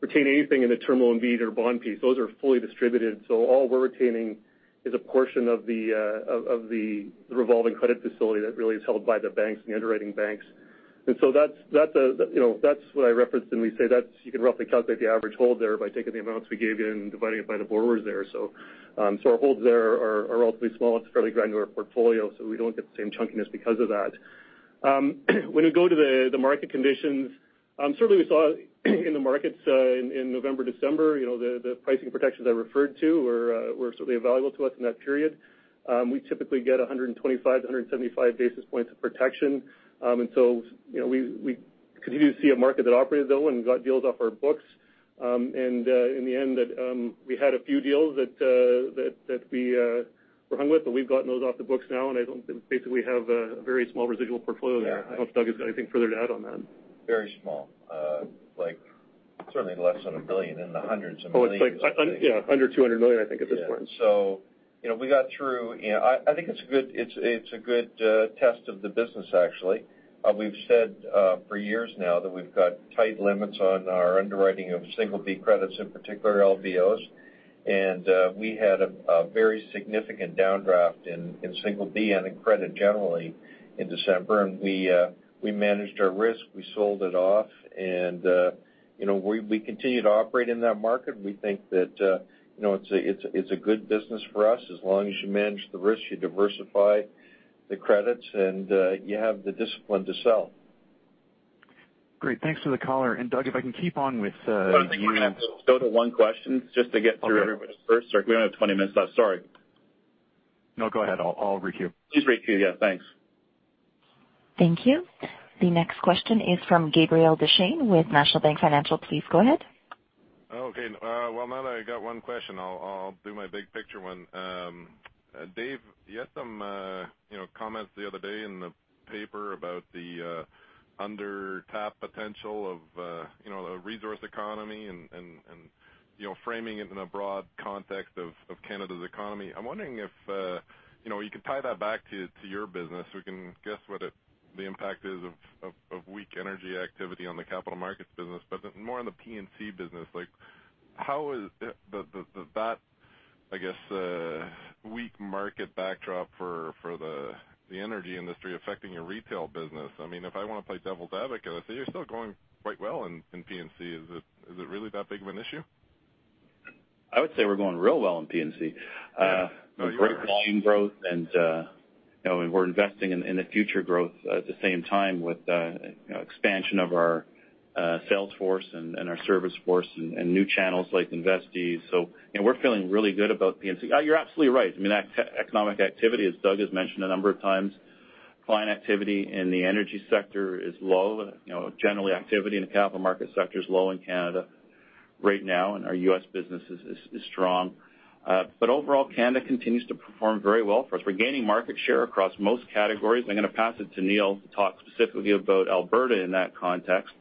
Speaker 5: retain anything in the term loan B or bond piece. Those are fully distributed. All we're retaining is a portion of the revolving credit facility that really is held by the banks and the underwriting banks. That's what I referenced when we say that you can roughly calculate the average hold there by taking the amounts we gave you and dividing it by the borrowers there. Our holds there are relatively small. It's a fairly granular portfolio, so we don't get the same chunkiness because of that. When we go to the market conditions, certainly we saw in the markets in November, December the pricing protections I referred to were certainly of value to us in that period. We typically get 125, 175 basis points of protection. We continue to see a market that operated though and got deals off our books. In the end we had a few deals that we were hung with, we've gotten those off the books now, and I don't think we basically have a very small residual portfolio there. I don't know if Doug has got anything further to add on that.
Speaker 8: Very small. Certainly less than a billion. In the hundreds of millions.
Speaker 5: It's like under 200 million, I think, at this point.
Speaker 8: Yeah. We got through. I think it's a good test of the business, actually. We've said for years now that we've got tight limits on our underwriting of single B credits, in particular LBOs. We had a very significant downdraft in single B and in credit generally in December. We managed our risk. We sold it off. We continue to operate in that market, and we think that it's a good business for us as long as you manage the risk, you diversify the credits, and you have the discipline to sell.
Speaker 11: Great, thanks for the color. Doug, if I can keep on with-
Speaker 2: I think we're going to go to one question just to get through everybody's first. We only have 20 minutes left. Sorry.
Speaker 11: No, go ahead. I'll re-queue.
Speaker 2: Please re-queue. Yeah, thanks.
Speaker 1: Thank you. The next question is from Gabriel Dechaine with National Bank Financial. Please go ahead.
Speaker 12: Okay. Well, now that I got one question, I'll do my big picture one. Dave, you had some comments the other day in the paper about the under-tap potential of the resource economy and framing it in a broad context of Canada's economy. I'm wondering if you can tie that back to your business. We can guess what the impact is of weak energy activity on the Capital Markets business, but more on the P&C business. Like how is that, I guess, weak market backdrop for the energy industry affecting your retail business? If I want to play devil's advocate, I say you're still going quite well in P&C. Is it really that big of an issue?
Speaker 3: I would say we're going real well in P&C.
Speaker 12: Yeah. No, you are.
Speaker 3: Great volume growth. We're investing in the future growth at the same time with expansion of our sales force and our service force and new channels like InvestEase. We're feeling really good about P&C. You're absolutely right. Economic activity, as Doug has mentioned a number of times, client activity in the energy sector is low. Generally activity in the capital market sector is low in Canada right now, and our U.S. business is strong. Overall, Canada continues to perform very well for us. We're gaining market share across most categories. I'm going to pass it to Neil to talk specifically about Alberta in that context.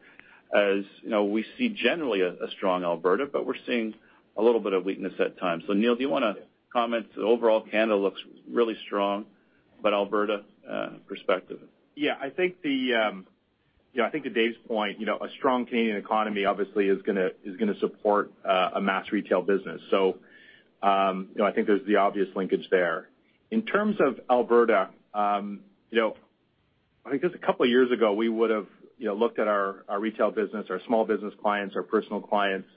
Speaker 3: As we see generally a strong Alberta, we're seeing a little bit of weakness at times. Neil, do you want to comment? Overall, Canada looks really strong, Alberta perspective.
Speaker 13: Yeah. I think to Dave's point, a strong Canadian economy obviously is going to support a mass retail business. I think there's the obvious linkage there. In terms of Alberta, I think just a couple of years ago, we would've looked at our retail business, our small business clients, our personal clients,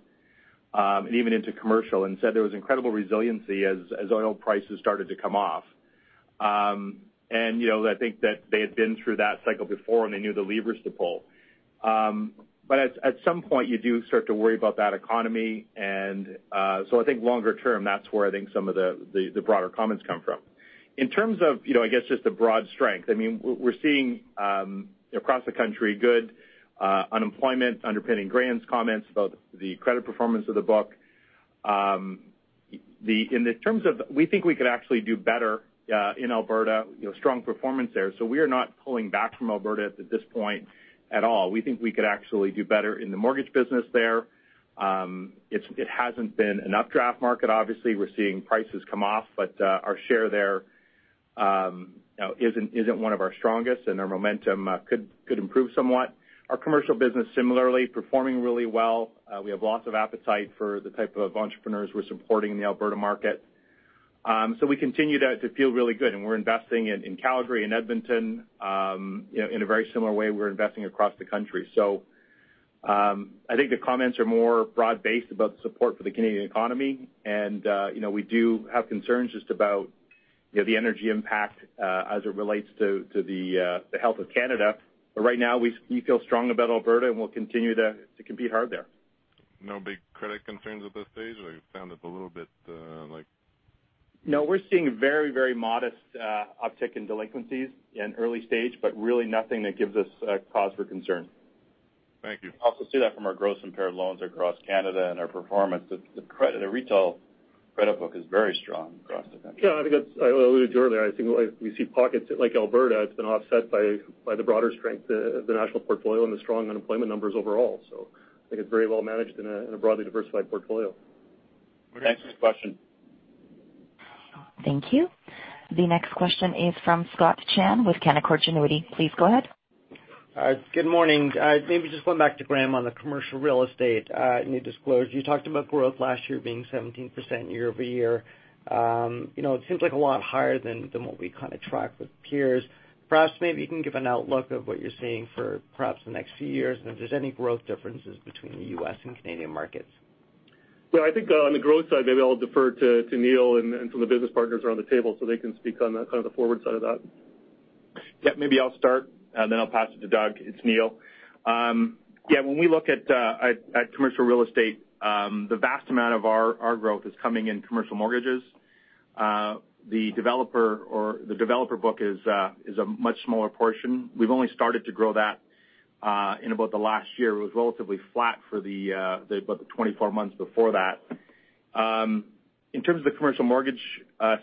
Speaker 13: and even into commercial, and said there was incredible resiliency as oil prices started to come off. I think that they had been through that cycle before, and they knew the levers to pull. At some point, you do start to worry about that economy. I think longer term, that's where I think some of the broader comments come from. In terms of, I guess just the broad strength. We're seeing across the country good unemployment underpinning Graeme's comments about the credit performance of the book. We think we could actually do better in Alberta, strong performance there. We are not pulling back from Alberta at this point at all. We think we could actually do better in the mortgage business there. It hasn't been an updraft market, obviously. We're seeing prices come off, but our share there isn't one of our strongest, and our momentum could improve somewhat. Our commercial business similarly performing really well. We have lots of appetite for the type of entrepreneurs we're supporting in the Alberta market. We continue to feel really good, and we're investing in Calgary and Edmonton, in a very similar way we're investing across the country. I think the comments are more broad-based about the support for the Canadian economy, and we do have concerns just about the energy impact as it relates to the health of Canada. Right now we feel strong about Alberta, and we'll continue to compete hard there.
Speaker 12: No big credit concerns at this stage, or you found it a little bit like?
Speaker 13: No, we're seeing very modest uptick in delinquencies in early stage, really nothing that gives us cause for concern.
Speaker 12: Thank you.
Speaker 8: See that from our gross impaired loans across Canada and our performance. The retail credit book is very strong across the country.
Speaker 5: I alluded to earlier, I think we see pockets like Alberta, it's been offset by the broader strength of the national portfolio and the strong unemployment numbers overall. I think it's very well managed in a broadly diversified portfolio.
Speaker 12: Thanks for the question.
Speaker 1: Thank you. The next question is from Scott Chan with Canaccord Genuity. Please go ahead.
Speaker 14: Good morning. Maybe just going back to Graeme on the commercial real estate. In your disclosure, you talked about growth last year being 17% year-over-year. It seems like a lot higher than what we kind of track with peers. Perhaps maybe you can give an outlook of what you're seeing for perhaps the next few years, and if there's any growth differences between the U.S. and Canadian markets.
Speaker 5: Well, I think on the growth side, maybe I'll defer to Neil and some of the business partners around the table so they can speak on kind of the forward side of that.
Speaker 13: Yeah. Maybe I'll start, then I'll pass it to Doug. It's Neil. When we look at commercial real estate, the vast amount of our growth is coming in commercial mortgages. The developer book is a much smaller portion. We've only started to grow that in about the last year. It was relatively flat for about the 24 months before that. In terms of the commercial mortgage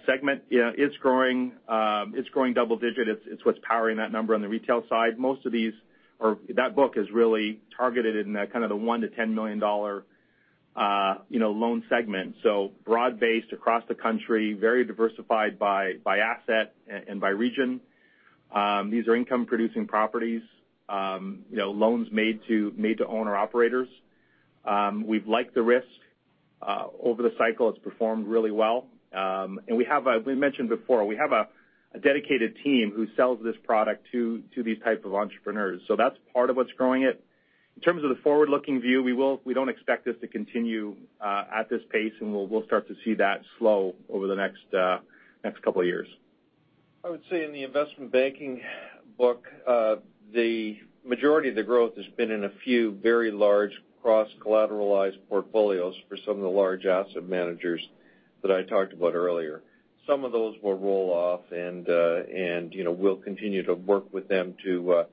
Speaker 13: segment, it's growing double digit. It's what's powering that number on the retail side. Most of these, or that book is really targeted in kind of the 1 million-10 million dollar loan segment. Broad-based across the country, very diversified by asset and by region. These are income producing properties, loans made to owner operators. We've liked the risk. Over the cycle it's performed really well. We mentioned before, we have a dedicated team who sells this product to these type of entrepreneurs, that's part of what's growing it. In terms of the forward-looking view, we don't expect this to continue at this pace, we'll start to see that slow over the next couple of years.
Speaker 8: I would say in the investment banking book, the majority of the growth has been in a few very large cross-collateralized portfolios for some of the large asset managers that I talked about earlier. Some of those will roll off, we'll continue to work with them to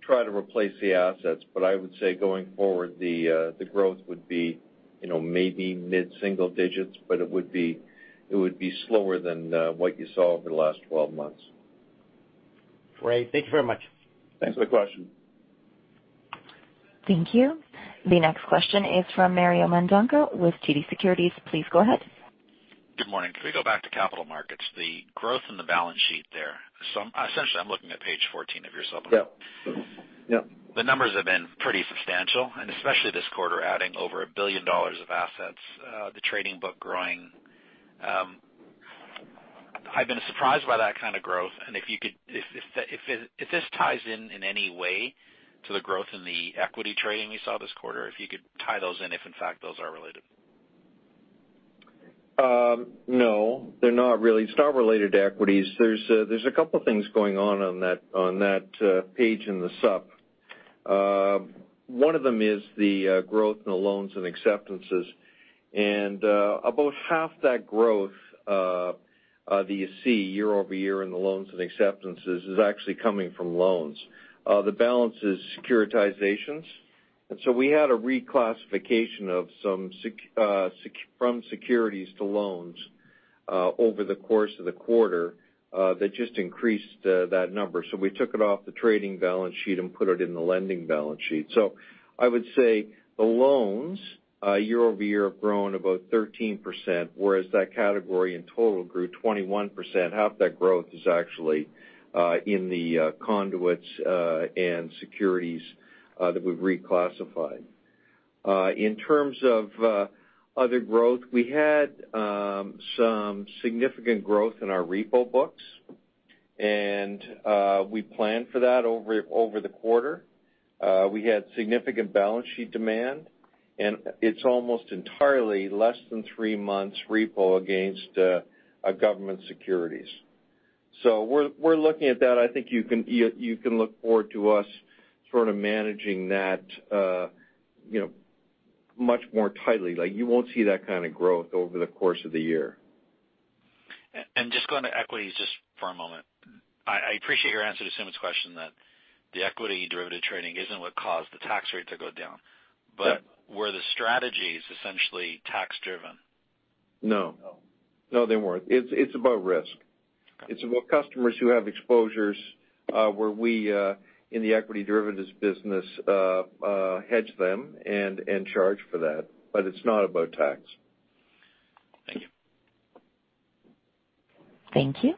Speaker 8: try to replace the assets. I would say going forward, the growth would be maybe mid-single digits, but it would be slower than what you saw over the last 12 months.
Speaker 14: Great. Thank you very much.
Speaker 8: Thanks for the question.
Speaker 1: Thank you. The next question is from Mario Mendonca with TD Securities. Please go ahead.
Speaker 15: Good morning. Can we go back to Capital Markets, the growth in the balance sheet there. Essentially, I'm looking at page 14 of your supplement.
Speaker 8: Yep.
Speaker 15: The numbers have been pretty substantial, especially this quarter, adding over 1 billion dollars of assets, the trading book growing. I've been surprised by that kind of growth. If this ties in in any way to the growth in the equity trading you saw this quarter, if you could tie those in, if in fact those are related.
Speaker 8: No, they're not really. It's not related to equities. There's a couple of things going on on that page in the sup. One of them is the growth in the loans and acceptances. About half that growth that you see year-over-year in the loans and acceptances is actually coming from loans. The balance is securitizations. We had a reclassification from securities to loans over the course of the quarter that just increased that number. We took it off the trading balance sheet and put it in the lending balance sheet. I would say the loans year-over-year have grown about 13%, whereas that category in total grew 21%. Half that growth is actually in the conduits and securities that we've reclassified. In terms of other growth, we had some significant growth in our repo books, and we planned for that over the quarter. We had significant balance sheet demand, and it's almost entirely less than three months repo against government securities. We're looking at that. I think you can look forward to us sort of managing that much more tightly. You won't see that kind of growth over the course of the year.
Speaker 15: Just going to equities just for a moment. I appreciate your answer to Sumit's question that the equity derivative trading isn't what caused the tax rate to go down. But were the strategies essentially tax-driven?
Speaker 8: No. No, they weren't. It's about risk. It's about customers who have exposures, where we, in the equity derivatives business, hedge them and charge for that. It's not about tax.
Speaker 15: Thank you.
Speaker 1: Thank you.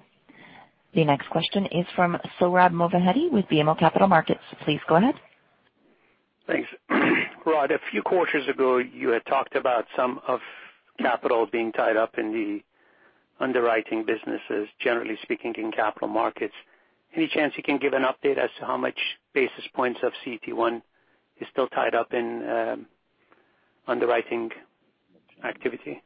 Speaker 1: The next question is from Sohrab Movahedi with BMO Capital Markets. Please go ahead.
Speaker 16: Thanks. Rod, a few quarters ago, you had talked about some of capital being tied up in the underwriting businesses, generally speaking, in Capital Markets. Any chance you can give an update as to how much basis points of CET1 is still tied up in underwriting activity?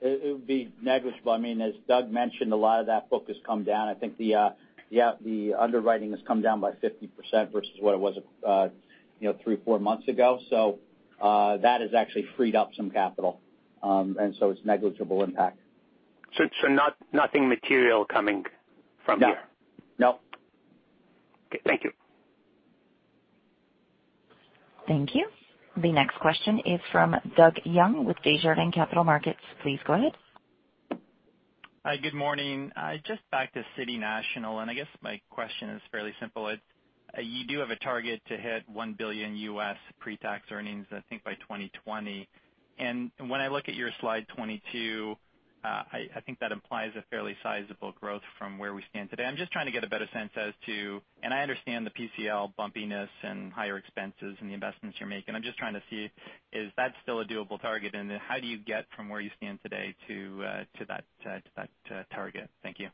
Speaker 4: It would be negligible. As Doug mentioned, a lot of that book has come down. I think the underwriting has come down by 50% versus what it was three, four months ago. That has actually freed up some capital. It's negligible impact.
Speaker 16: Nothing material coming from here?
Speaker 4: No.
Speaker 16: Okay. Thank you.
Speaker 1: Thank you. The next question is from Doug Young with Desjardins Capital Markets. Please go ahead.
Speaker 17: Hi. Good morning. Just back to City National, I guess my question is fairly simple. You do have a target to hit $1 billion pre-tax earnings, I think, by 2020. When I look at your slide 22, I think that implies a fairly sizable growth from where we stand today. I'm just trying to get a better sense as to, I understand the PCL bumpiness and higher expenses and the investments you're making. I'm just trying to see, is that still a doable target? Then how do you get from where you stand today to that target? Thank you.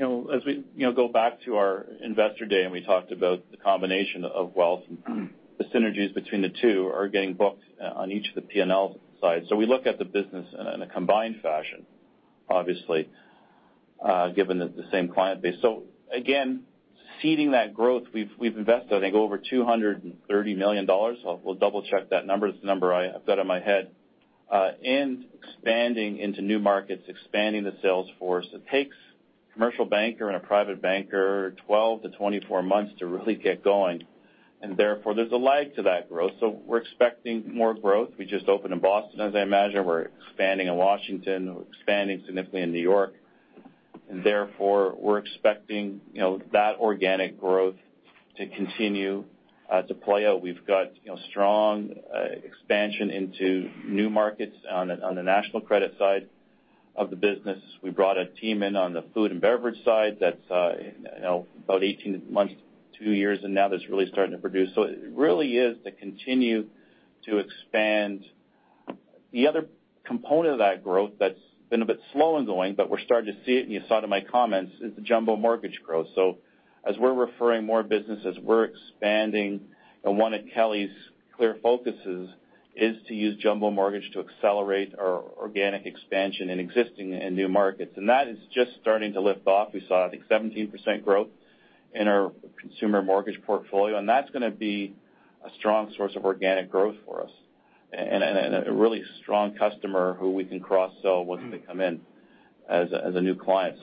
Speaker 3: As we go back to our investor day, we talked about the combination of wealth, the synergies between the two are getting booked on each of the P&L sides. We look at the business in a combined fashion, obviously, given that they're the same client base. Again, seeding that growth, we've invested, I think, over 230 million dollars. We'll double-check that number. It's the number I've got in my head. Expanding into new markets, expanding the sales force. It takes a commercial banker and a private banker 12 to 24 months to really get going. Therefore, there's a lag to that growth. We're expecting more growth. We just opened in Boston, as I imagine. We're expanding in Washington. We're expanding significantly in New York. Therefore, we're expecting that organic growth to continue to play out. We've got strong expansion into new markets on the national credit side of the business. We brought a team in on the food and beverage side that's about 18 months, two years in now that's really starting to produce. It really is to continue to expand. The other component of that growth that's been a bit slow in going, but we're starting to see it, and you saw it in my comments, is the jumbo mortgage growth. As we're referring more businesses, we're expanding, and one of Kelly's clear focuses is to use jumbo mortgage to accelerate our organic expansion in existing and new markets. That is just starting to lift off. We saw, I think, 17% growth in our consumer mortgage portfolio, that's going to be a strong source of organic growth for us and a really strong customer who we can cross-sell once they come in as a new client.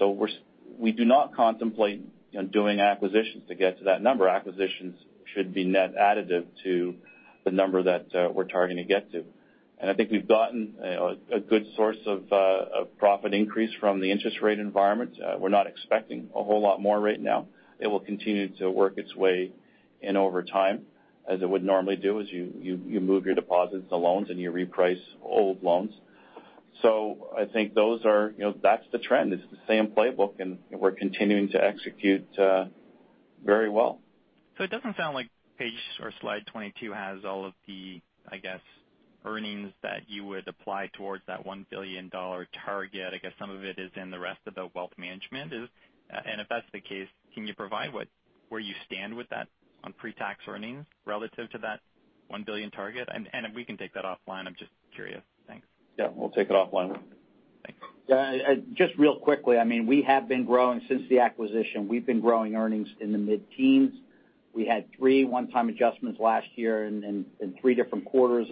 Speaker 3: We do not contemplate doing acquisitions to get to that number. Acquisitions should be net additive to the number that we're targeting to get to. I think we've gotten a good source of profit increase from the interest rate environment. We're not expecting a whole lot more right now. It will continue to work its way in over time as it would normally do, as you move your deposits to loans and you reprice old loans. I think that's the trend. It's the same playbook, we're continuing to execute very well.
Speaker 17: It doesn't sound like page or slide 22 has all of the, I guess, earnings that you would apply towards that 1 billion dollar target. I guess some of it is in the rest of the Wealth Management. If that's the case, can you provide where you stand with that on pre-tax earnings relative to that 1 billion target? If we can take that offline, I'm just curious. Thanks.
Speaker 3: Yeah, we'll take it offline.
Speaker 17: Thanks.
Speaker 4: Yeah. Just real quickly, we have been growing since the acquisition. We've been growing earnings in the mid-teens. We had three one-time adjustments last year in three different quarters.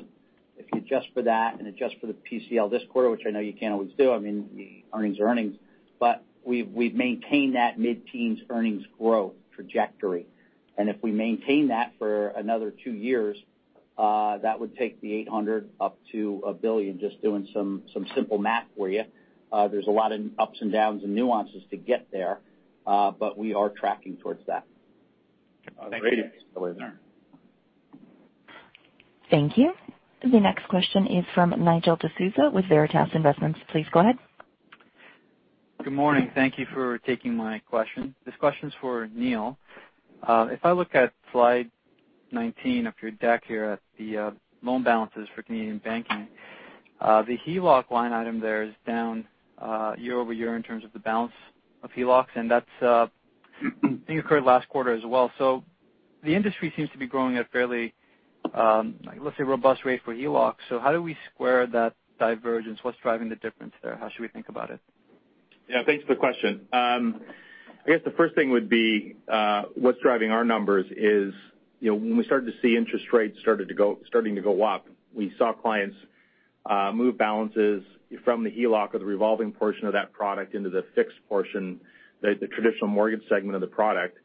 Speaker 4: If you adjust for that and adjust for the PCL this quarter, which I know you can't always do, earnings are earnings. We've maintained that mid-teens earnings growth trajectory. If we maintain that for another two years, that would take the 800 up to 1 billion, just doing some simple math for you. There's a lot of ups and downs and nuances to get there. We are tracking towards that.
Speaker 17: Thank you.
Speaker 3: Great.
Speaker 1: Thank you. The next question is from Nigel D'Souza with Veritas Investments. Please go ahead.
Speaker 18: Good morning. Thank you for taking my question. This question's for Neil. If I look at slide 19 of your deck here at the loan balances for Canadian banking, the HELOC line item there is down year-over-year in terms of the balance of HELOCs, and that I think occurred last quarter as well. The industry seems to be growing at fairly, let's say, robust rate for HELOCs. How do we square that divergence? What's driving the difference there? How should we think about it?
Speaker 13: Yeah, thanks for the question. I guess the first thing would be what's driving our numbers is when we started to see interest rates starting to go up, we saw clients move balances from the HELOC or the revolving portion of that product into the fixed portion, the traditional mortgage segment of the product.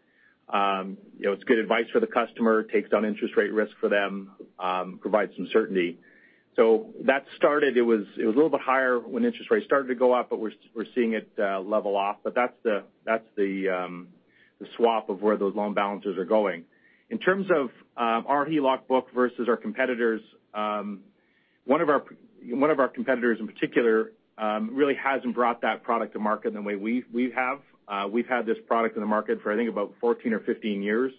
Speaker 13: It's good advice for the customer, takes down interest rate risk for them, provides some certainty. That started, it was a little bit higher when interest rates started to go up, but we're seeing it level off. That's the swap of where those loan balances are going. In terms of our HELOC book versus our competitors, one of our competitors in particular really hasn't brought that product to market in the way we have. We've had this product in the market for I think about 14 or 15 years.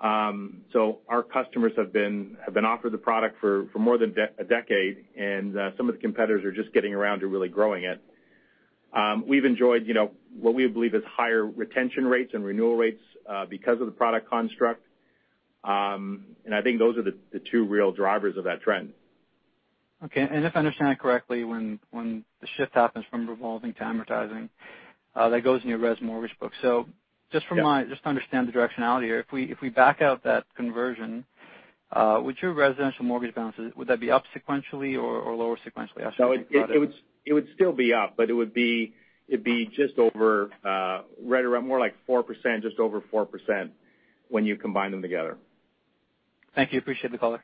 Speaker 3: Our customers have been offered the product for more than a decade, and some of the competitors are just getting around to really growing it. We've enjoyed what we believe is higher retention rates and renewal rates because of the product construct. I think those are the two real drivers of that trend.
Speaker 18: Okay, if I understand correctly, when the shift happens from revolving to amortizing, that goes in your res mortgage book. Just to understand the directionality here, if we back out that conversion, would your residential mortgage balances, would that be up sequentially or lower sequentially?
Speaker 13: No, it would still be up, but it'd be just over right around more like 4%, just over 4% when you combine them together.
Speaker 18: Thank you. Appreciate the color.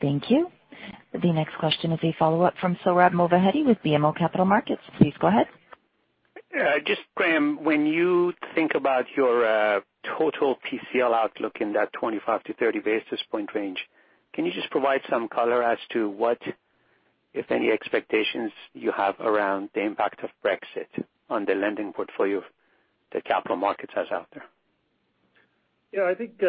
Speaker 1: Thank you. The next question is a follow-up from Sohrab Movahedi with BMO Capital Markets. Please go ahead.
Speaker 16: Just, Graeme, when you think about your total PCL outlook in that 25-30 basis point range, can you just provide some color as to what, if any, expectations you have around the impact of Brexit on the lending portfolio the Capital Markets has out there?
Speaker 5: Yeah, I think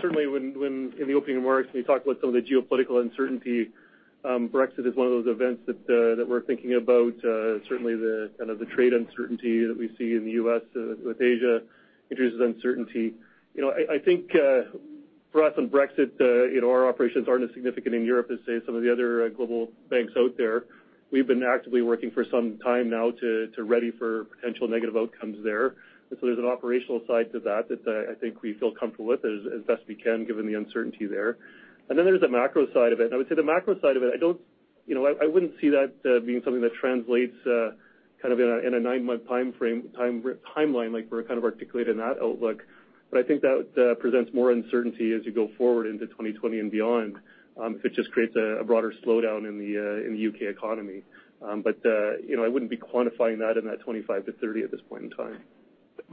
Speaker 5: certainly when in the opening remarks, we talked about some of the geopolitical uncertainty, Brexit is one of those events that we're thinking about. Certainly the kind of the trade uncertainty that we see in the U.S. with Asia introduces uncertainty. I think for us on Brexit, our operations aren't as significant in Europe as, say, some of the other global banks out there. We've been actively working for some time now to ready for potential negative outcomes there. There's an operational side to that I think we feel comfortable with as best we can given the uncertainty there. There's the macro side of it, and I would say the macro side of it I wouldn't see that being something that translates kind of in a nine-month timeframe timeline like we're kind of articulated in that outlook. I think that presents more uncertainty as you go forward into 2020 and beyond if it just creates a broader slowdown in the U.K. economy. I wouldn't be quantifying that in that 25-30 at this point in time.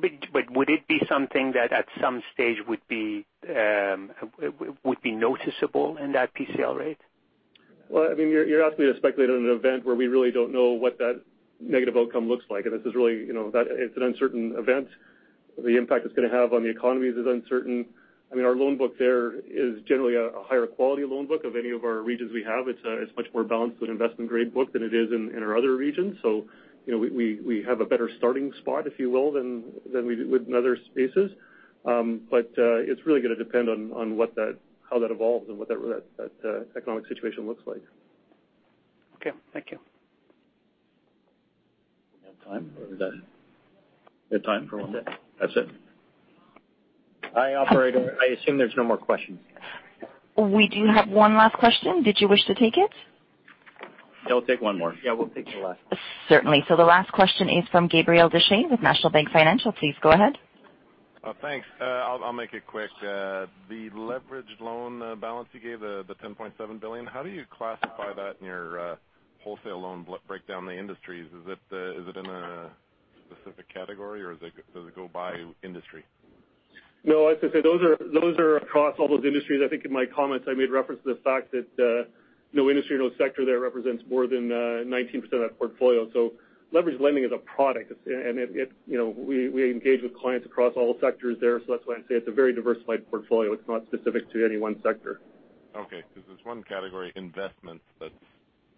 Speaker 16: Would it be something that at some stage would be noticeable in that PCL rate?
Speaker 5: Well, you're asking me to speculate on an event where we really don't know what that negative outcome looks like, and it's an uncertain event. The impact it's going to have on the economies is uncertain. Our loan book there is generally a higher quality loan book of any of our regions we have. It's much more balanced with investment grade book than it is in our other regions. We have a better starting spot, if you will, than we did with other spaces. It's really going to depend on how that evolves and what that economic situation looks like.
Speaker 16: Okay. Thank you.
Speaker 3: We have time or is that it? We have time for one more?
Speaker 2: That's it.
Speaker 3: Hi, operator. I assume there's no more questions.
Speaker 1: We do have one last question. Did you wish to take it?
Speaker 3: Yeah, we'll take one more.
Speaker 2: Yeah, we'll take the last.
Speaker 1: Certainly. The last question is from Gabriel Dechaine with National Bank Financial. Please go ahead.
Speaker 12: Thanks. I'll make it quick. The leveraged loan balance you gave, the 10.7 billion, how do you classify that in your wholesale loan breakdown the industries? Is it in a specific category, or does it go by industry?
Speaker 5: I was going to say those are across all those industries. I think in my comments, I made reference to the fact that no industry, no sector there represents more than 19% of that portfolio. Leveraged lending is a product, and we engage with clients across all sectors there. That's why I say it's a very diversified portfolio. It's not specific to any one sector.
Speaker 12: Okay. There's one category, investments, that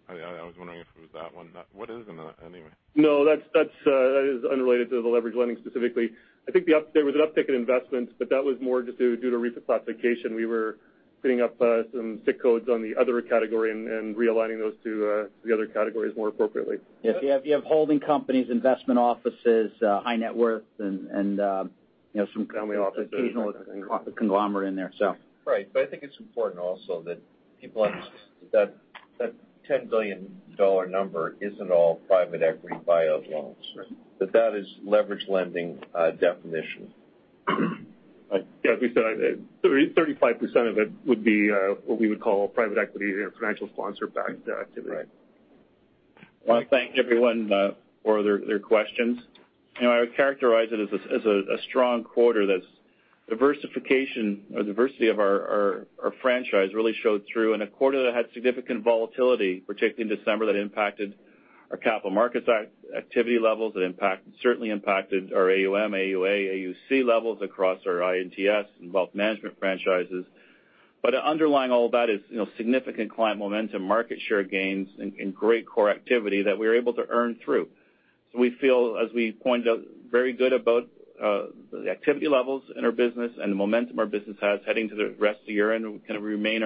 Speaker 12: I was wondering if it was that one. What is in that anyway?
Speaker 5: No. That is unrelated to the leverage lending specifically. I think there was an uptick in investments, but that was more just due to reclassification. We were putting up some SIC codes on the other category and realigning those to the other categories more appropriately.
Speaker 4: Yes. You have holding companies, investment offices, high net worth, and some occasional conglomerate in there so.
Speaker 3: Right. I think it's important also that people understand that that 10 billion dollar number isn't all private equity buy-out loans.
Speaker 5: Right.
Speaker 3: That is leverage lending definition.
Speaker 5: Yeah. As we said, 35% of it would be what we would call private equity or financial sponsor backed activity.
Speaker 3: Right. Well, thank you everyone for their questions. I would characterize it as a strong quarter that's diversification or diversity of our franchise really showed through in a quarter that had significant volatility, particularly in December that impacted our Capital Markets activity levels. It certainly impacted our AUM, AUA, AUC levels across our I&TS and Wealth Management franchises. Underlying all that is significant client momentum, market share gains, and great core activity that we were able to earn through. We feel, as we pointed out, very good about the activity levels in our business and the momentum our business has heading to the rest of the year. We remain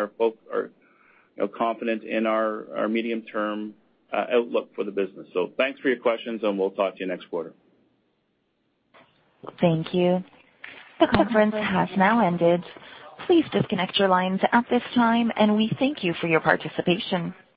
Speaker 3: confident in our medium-term outlook for the business. Thanks for your questions, and we'll talk to you next quarter.
Speaker 1: Thank you. The conference has now ended. Please disconnect your lines at this time, and we thank you for your participation.